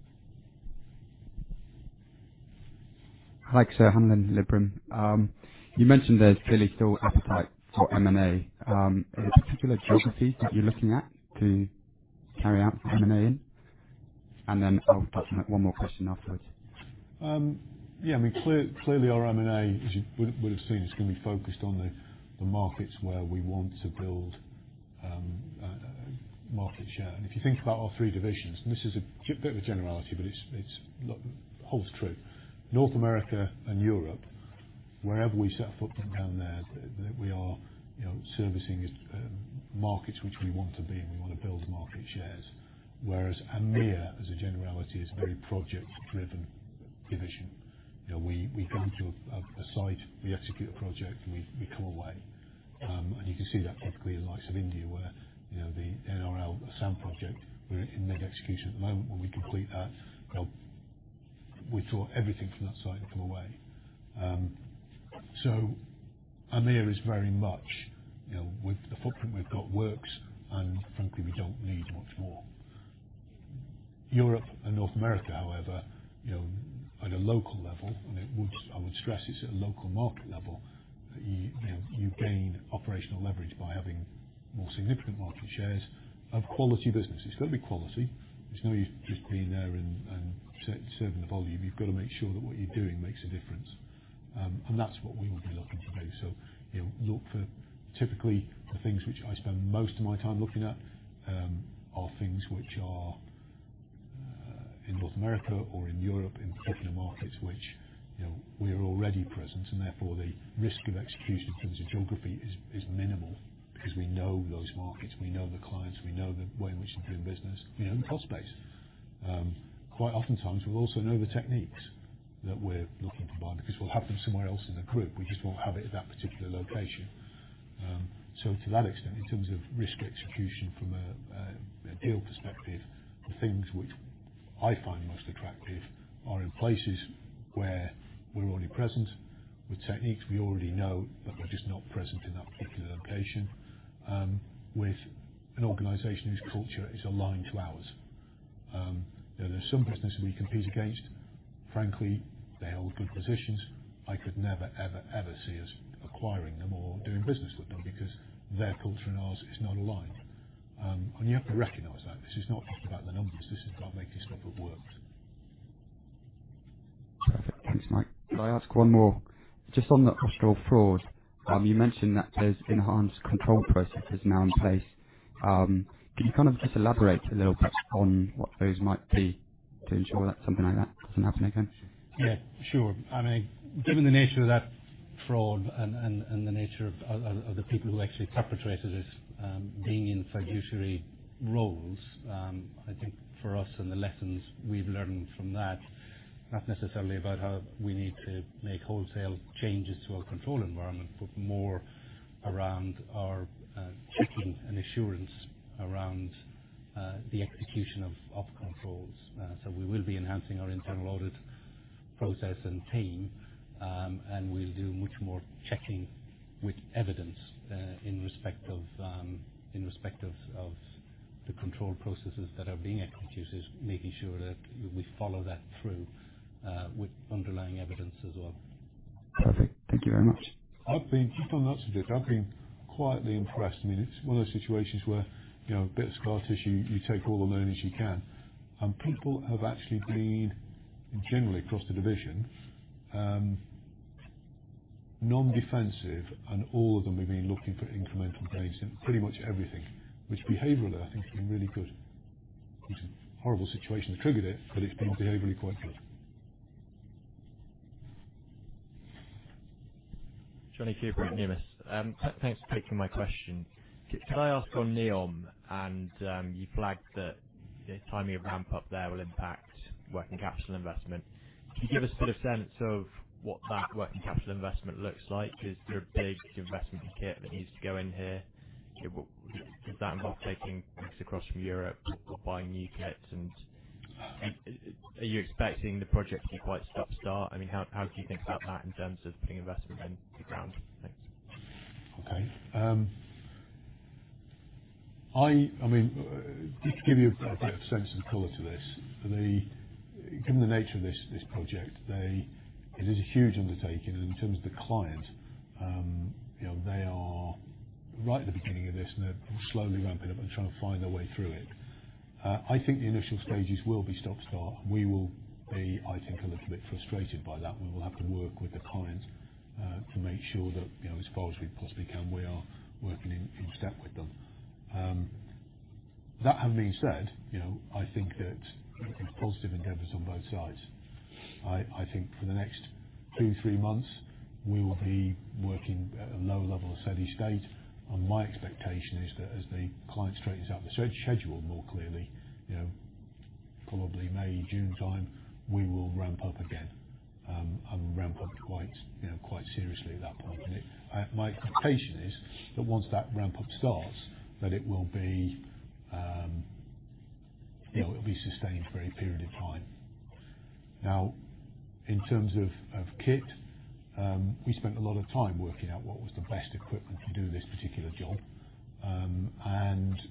Hi, sir. Hamlin, Liberum. You mentioned there's clearly still appetite for M&A. Is there a particular geography that you're looking at to carry out M&A in? I'll touch on one more question afterwards. Yeah. I mean, clearly our M&A, as you would have seen, is gonna be focused on the markets where we want to build market share. If you think about our three divisions, and this is a bit of a generality, but it's holds true. North America and Europe, wherever we set a footprint down there, we are, you know, servicing markets which we want to be in. We wanna build market shares. Whereas AMEA, as a generality, is a very project-driven division. You know, we go into a site, we execute a project, and we come away. And you can see that typically in the likes of India, where, you know, the NRL, the SAM project, we're in mid-execution at the moment. When we complete that, you know, we took everything from that site and come away. AMEA is very much, you know, with the footprint we've got works, and frankly, we don't need much more. Europe and North America, however, you know, at a local level, and I would stress, it's at a local market level, you know, you gain operational leverage by having more significant market shares of quality business. It's got to be quality. There's no use just being there and serving the volume. You've got to make sure that what you're doing makes a difference. That's what we will be looking for. You know, look for typically the things which I spend most of my time looking at, are things which are in North America or in Europe, in the markets which, you know, we're already present, and therefore the risk of execution in terms of geography is minimal because we know those markets, we know the clients, we know the way in which they do business, you know, and cost base. Quite oftentimes, we also know the techniques that we're looking to buy because we'll have them somewhere else in the Group. We just won't have it at that particular location. To that extent, in terms of risk execution from a deal perspective, the things which I find most attractive are in places where we're already present with techniques we already know, but we're just not present in that particular location, with an organization whose culture is aligned to ours. There's some businesses we compete against, frankly, they hold good positions. I could never, ever see us acquiring them or doing business with them because their culture and ours is not aligned. You have to recognize that this is not just about the numbers. This is about making stuff that worked. Perfect. Thanks, Mike. Can I ask one more? Just on the Austral fraud, you mentioned that there's enhanced control processes now in place. Can you kind of just elaborate a little bit on what those might be to ensure that something like that doesn't happen again? Yeah, sure. I mean, given the nature of that fraud and the nature of the people who actually perpetrated it, being in fiduciary roles, I think for us and the lessons we've learned from that, not necessarily about how we need to make wholesale changes to our control environment, but more around our checking and assurance around the execution of controls. We will be enhancing our internal audit process and team, and we'll do much more checking with evidence, in respect of the control processes that are being executed, making sure that we follow that through, with underlying evidence as well. Perfect. Thank you very much. Just on that subject, I've been quietly impressed. I mean, it's one of those situations where, you know, a bit of scar tissue, you take all the learnings you can. People have actually been generally across the division, non-defensive, and all of them have been looking for incremental gains in pretty much everything. Behaviorally, I think has been really good. It's a horrible situation that triggered it, but it's been behaviorally quite good. Johnny Cooper at Numis. Thanks for taking my question. Could I ask on NEOM and you flagged that the timing of ramp-up there will impact working capital investment. Can you give us sort of sense of what that working capital investment looks like? Is there a big investment in kit that needs to go in here? Was that involved taking things across from Europe or buying new kits? Are you expecting the project to be quite stop-start? I mean, how do you think about that in terms of putting investment in the ground? Thanks. I mean, to give you a better sense and color to this, given the nature of this project, it is a huge undertaking. In terms of the client, you know, they are right at the beginning of this, and they're slowly ramping up and trying to find their way through it. I think the initial stages will be stop-start. We will be, I think, a little bit frustrated by that, and we'll have to make sure that, you know, as far as we possibly can, we are working in step with them. That having been said, you know, I think that there's positive endeavors on both sides. I think for the next two, three months, we will be working at a low level of steady state, and my expectation is that as the client straightens out the schedule more clearly, you know, probably May, June time, we will ramp up again. Ramp up quite, you know, quite seriously at that point. My expectation is that once that ramp up starts, that it will be, you know, it will be sustained for a period of time. In terms of kit, we spent a lot of time working out what was the best equipment to do this particular job.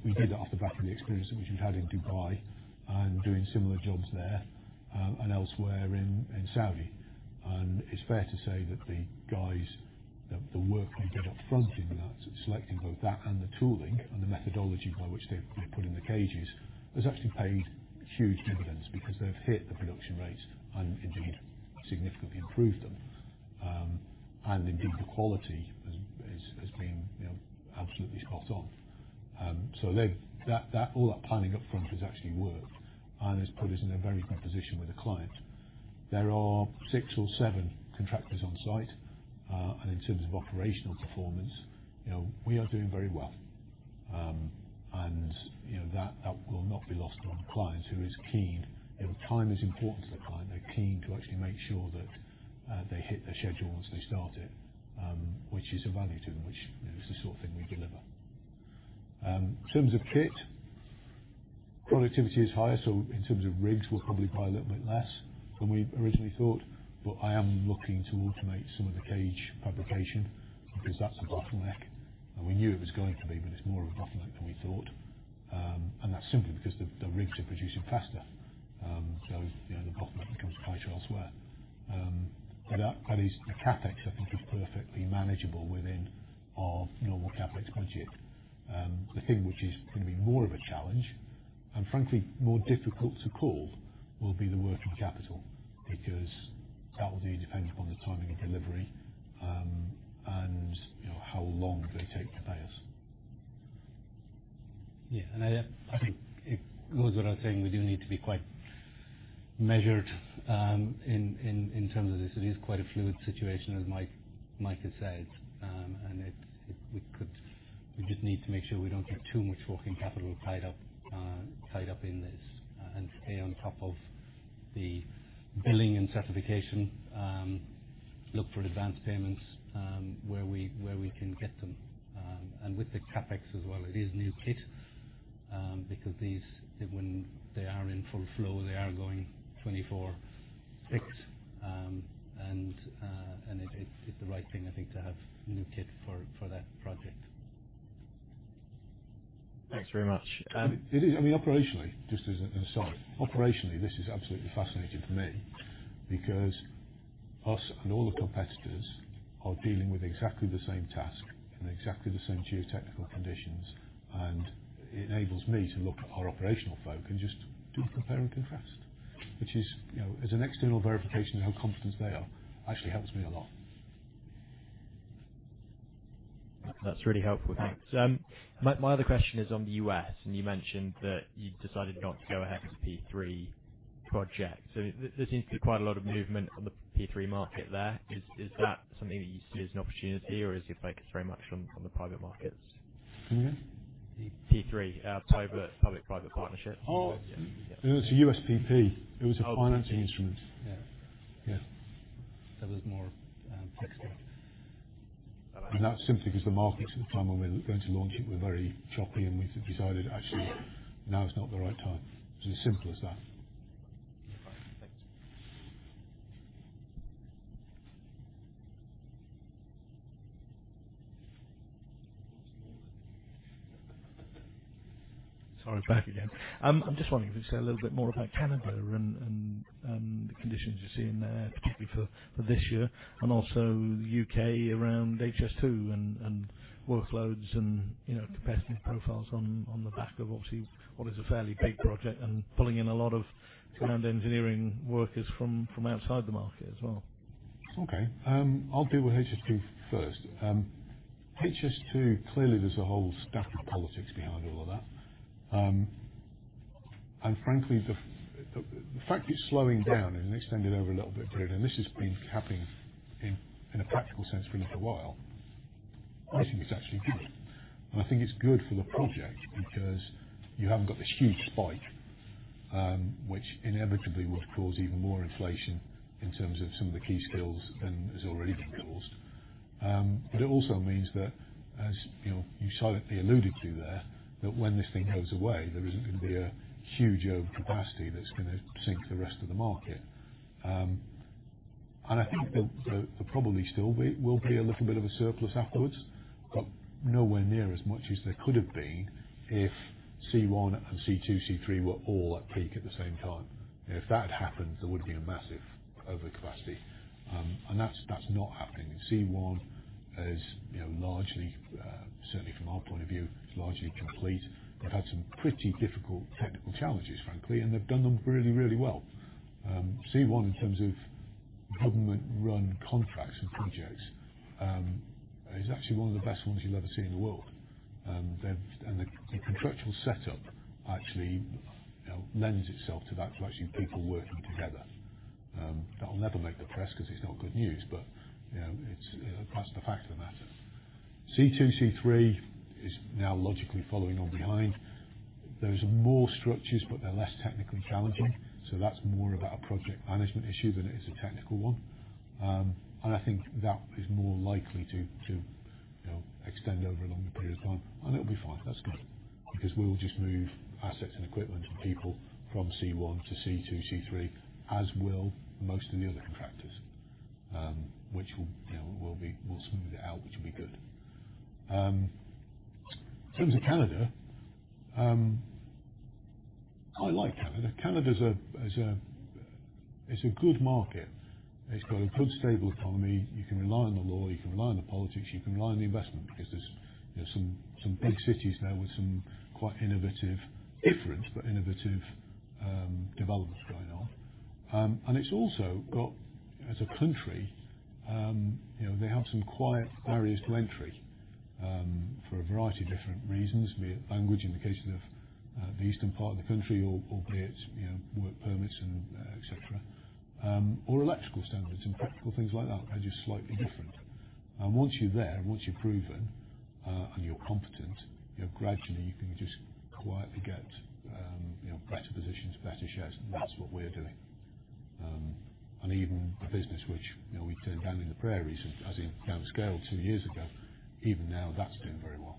We did that off the back of the experience which we've had in Dubai and doing similar jobs there, and elsewhere in Saudi. It's fair to say that the guys, the work they did up front in that, selecting both that and the tooling and the methodology by which they put in the cages, has actually paid huge dividends because they've hit the production rates and indeed significantly improved them. Indeed, the quality has been, you know, absolutely spot on. All that planning up front has actually worked and has put us in a very good position with the client. There are six or seven contractors on site. In terms of operational performance, you know, we are doing very well. You know, that will not be lost on the client who is keen. You know, time is important to the client. They're keen to actually make sure that they hit their schedule once they start it, which is of value to them, which, you know, is the sort of thing we deliver. In terms of kit, productivity is higher, so in terms of rigs, we'll probably buy a little bit less than we originally thought. I am looking to automate some of the cage fabrication because that's a bottleneck, and we knew it was going to be, but it's more of a bottleneck than we thought. That's simply because the rigs are producing faster. You know, the bottleneck becomes the cage elsewhere. That is. The CapEx, I think is perfectly manageable within our normal CapEx budget. The thing which is gonna be more of a challenge, and frankly more difficult to call, will be the working capital because that will be dependent upon the timing of delivery, and, you know, how long they take to pay us. Yeah. I think it goes without saying we do need to be quite measured in terms of this. It is quite a fluid situation, as Mike has said. We just need to make sure we don't get too much working capital tied up in this and stay on top of the billing and certification, look for advanced payments where we can get them. With the CapEx as well, it is new kit because these, when they are in full flow, they are going 24/6. It's the right thing, I think, to have new kit for that project. Thanks very much. It is I mean, operationally, just as a side, operationally, this is absolutely fascinating for me because us and all the competitors are dealing with exactly the same task and exactly the same geotechnical conditions. It enables me to look at our operational folk and just do compare and contrast, which is, you know. As an external verification of how competent they are, actually helps me a lot. That's really helpful. Thanks. My other question is on the US, and you mentioned that you decided not to go ahead with the P3 project. There seems to be quite a lot of movement on the P3 market there. Is that something that you see as an opportunity, or is your focus very much on the private markets? Mm-hmm. P3, private, public-private partnership. Oh. Yeah. It was a USPP. Oh. It was a financing instrument. Yeah. Yeah. It was more, textbook. That's simply because the markets at the time when we were going to launch it were very choppy, and we just decided, actually, now is not the right time. It's as simple as that. Right. Thanks. Sorry, back again. I'm just wondering if you could say a little bit more about Canada and the conditions you're seeing there, particularly for this year, and also the UK around HS2 and workloads and, you know, capacity profiles on the back of obviously what is a fairly big project and pulling in a lot of command engineering workers from outside the market as well? Okay. I'll deal with HS2 first. HS2, clearly, there's a whole stack of politics behind all of that. Frankly, the fact it's slowing down and extended over a little bit further, and this has been capping in a practical sense for a little while, I think it's actually good. I think it's good for the project because you haven't got this huge spike, which inevitably would cause even more inflation in terms of some of the key skills than has already been caused. It also means that as, you know, you silently alluded to there, that when this thing goes away, there isn't gonna be a huge overcapacity that's gonna sink the rest of the market. I think there probably still will be a little bit of a surplus afterwards, but nowhere near as much as there could have been if C-one and C-two, C-three were all at peak at the same time. If that had happened, there would have been a massive overcapacity. That's not happening. C-one-As you know, largely, certainly from our point of view, it's largely complete. They've had some pretty difficult technical challenges, frankly, and they've done them really well. C1 in terms of government run contracts and projects is actually one of the best ones you'll ever see in the world. The contractual setup actually, you know, lends itself to that, to actually people working together. That'll never make the press 'cause it's not good news, but, you know, it's, that's the fact of the matter. C2, C3 is now logically following on behind. Those are more structures, but they're less technically challenging, so that's more about a project management issue than it is a technical one. I think that is more likely to, you know, extend over a longer period of time. It'll be fine. That's good. 'Cause we'll just move assets and equipment and people from C1 to C2, C3, as will most of the other contractors, which will, you know, will be, will smooth it out, which will be good. In terms of Canada, I like Canada. Canada's a, is a, it's a good market. It's got a good stable economy. You can rely on the law, you can rely on the politics, you can rely on the investment because there's, you know, some big cities now with some quite innovative, different, but innovative developments going on. It's also got, as a country, you know, they have some quiet barriers to entry for a variety of different reasons. Be it language in the case of the eastern part of the country or be it, you know, work permits and et cetera, or electrical standards and practical things like that are just slightly different. Once you're there, once you're proven, and you're competent, you know, gradually you can just quietly get, you know, better positions, better shares, and that's what we're doing. Even a business which, you know, we turned down in the prairies as in down scaled two years ago, even now, that's doing very well.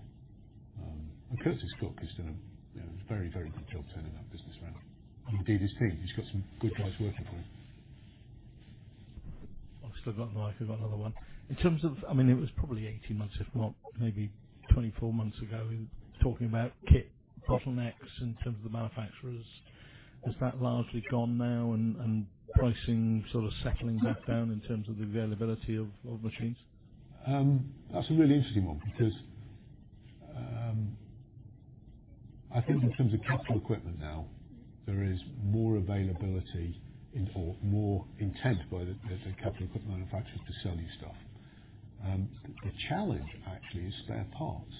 Curtis Cook is doing, you know, a very, very good job turning that business around. Indeed, his team. He's got some good guys working for him. I've still got Mike, we've got another one. In terms of, I mean, it was probably 18 months if not, maybe 24 months ago, talking about kit bottlenecks in terms of the manufacturers. Is that largely gone now and pricing sort of settling back down in terms of the availability of machines? That's a really interesting one because, I think in terms of capital equipment now, there is more availability in or more intent by the capital equipment manufacturers to sell you stuff. The challenge actually is spare parts.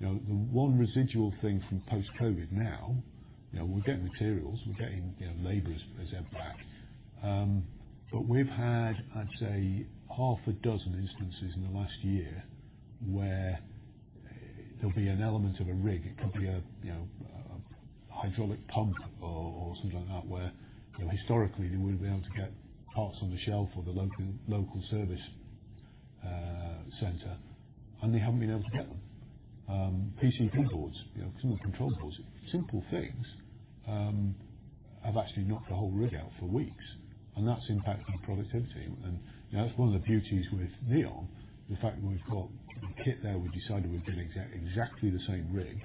You know, the one residual thing from post-COVID now, you know, we're getting materials, we're getting, you know, labor is ebbed back. We've had, I'd say 6 instances in the last year where there'll be an element of a rig. It could be a, you know, a hydraulic pump or something like that, where, you know, historically they would be able to get parts on the shelf or the local service center, they haven't been able to get them. PCB boards, you know, some of the control boards, simple things, have actually knocked the whole rig out for weeks. That's impacted productivity. You know, that's one of the beauties with NEOM, the fact that we've got kit there, we decided we're getting exactly the same rig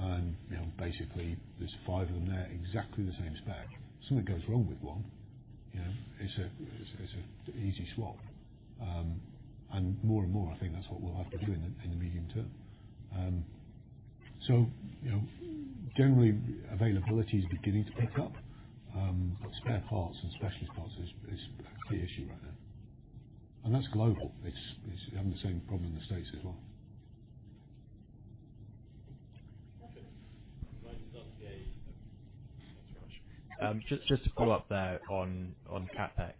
and, you know, basically there's five of them, they're exactly the same spec. If something goes wrong with one, you know, it's an easy swap. More and more I think that's what we'll have to do in the medium term. You know, generally availability is beginning to pick up, but spare parts and specialist parts is a key issue right now. That's global. It's having the same problem in the States as well. Just to follow up there on CapEx.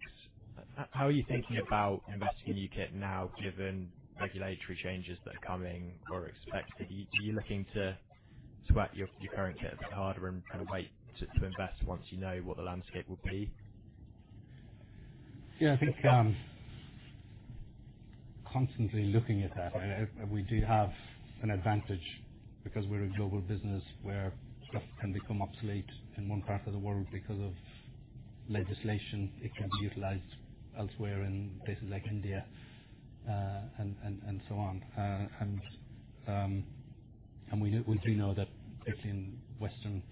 How are you thinking about investing in new kit now given regulatory changes that are coming or expected? Are you looking to work your current kit a bit harder and wait to invest once you know what the landscape will be? Yeah, I think I'm constantly looking at that. We do have an advantage because we're a global business where stuff can become obsolete in one part of the world. Because of legislation, it can be utilized elsewhere in places like India, and so on. We do know that particularly in western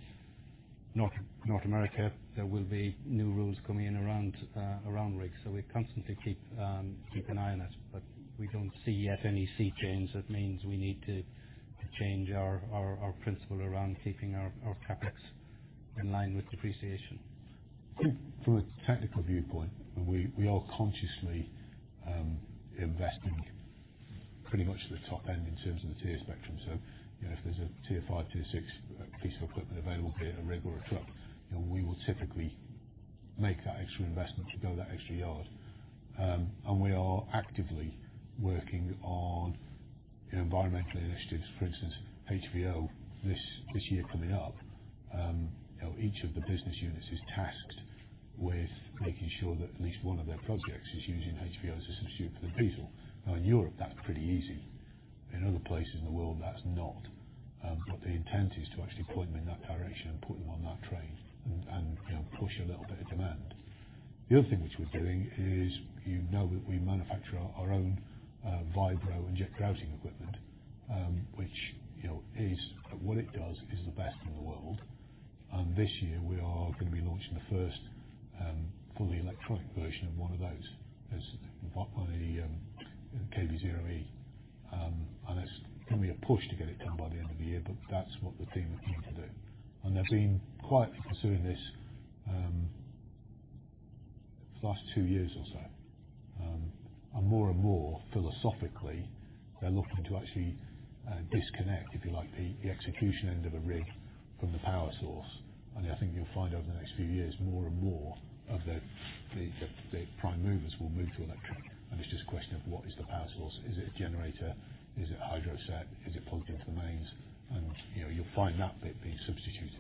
North America, there will be new rules coming in around rigs. We constantly keep an eye on it, but we don't see yet any sea change that means we need to change our principle around keeping our CapEx in line with depreciation. From a technical viewpoint, we are consciously investing pretty much at the top end in terms of the tier spectrum. You know, if there's a tier five, tier six piece of equipment available, be it a rig or a truck, you know, we will typically make that extra investment to go that extra yard. We are actively working on environmental initiatives. For instance, HVO, this year coming up, you know, each of the business units is tasked with making sure that at least one of their projects is using HVO as a substitute for the diesel. In Europe, that's pretty easy. In other places in the world, that's not. The intent is to actually point them in that direction and put them on that train and, you know, push a little bit of demand. The other thing which we're doing is, you know that we manufacture our own vibro and jet grouting equipment, which, you know, is... What it does is the best in the world. This year we are gonna be launching the first fully electronic version of one of those. It's got only KB0E. It's gonna be a push to get it done by the end of the year, but that's what the team are keen to do. They've been quietly pursuing this for the last 2 years or so. More and more philosophically, they're looking to actually disconnect, if you like, the execution end of a rig from the power source. I think you'll find over the next few years more and more of the, the prime movers will move to electric. It's just a question of what is the power source? Is it a generator? Is it a hydro set? Is it plugged into the mains? You know, you'll find that bit being substituted.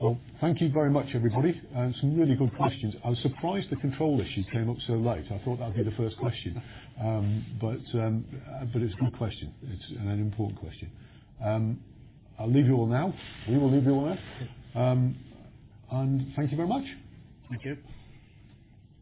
Well, thank you very much, everybody. Some really good questions. I was surprised the control issue came up so late. I thought that'd be the first question. But, it's a good question. It's an important question. I'll leave you all now. We will leave you all now. Thank you very much. Thank you.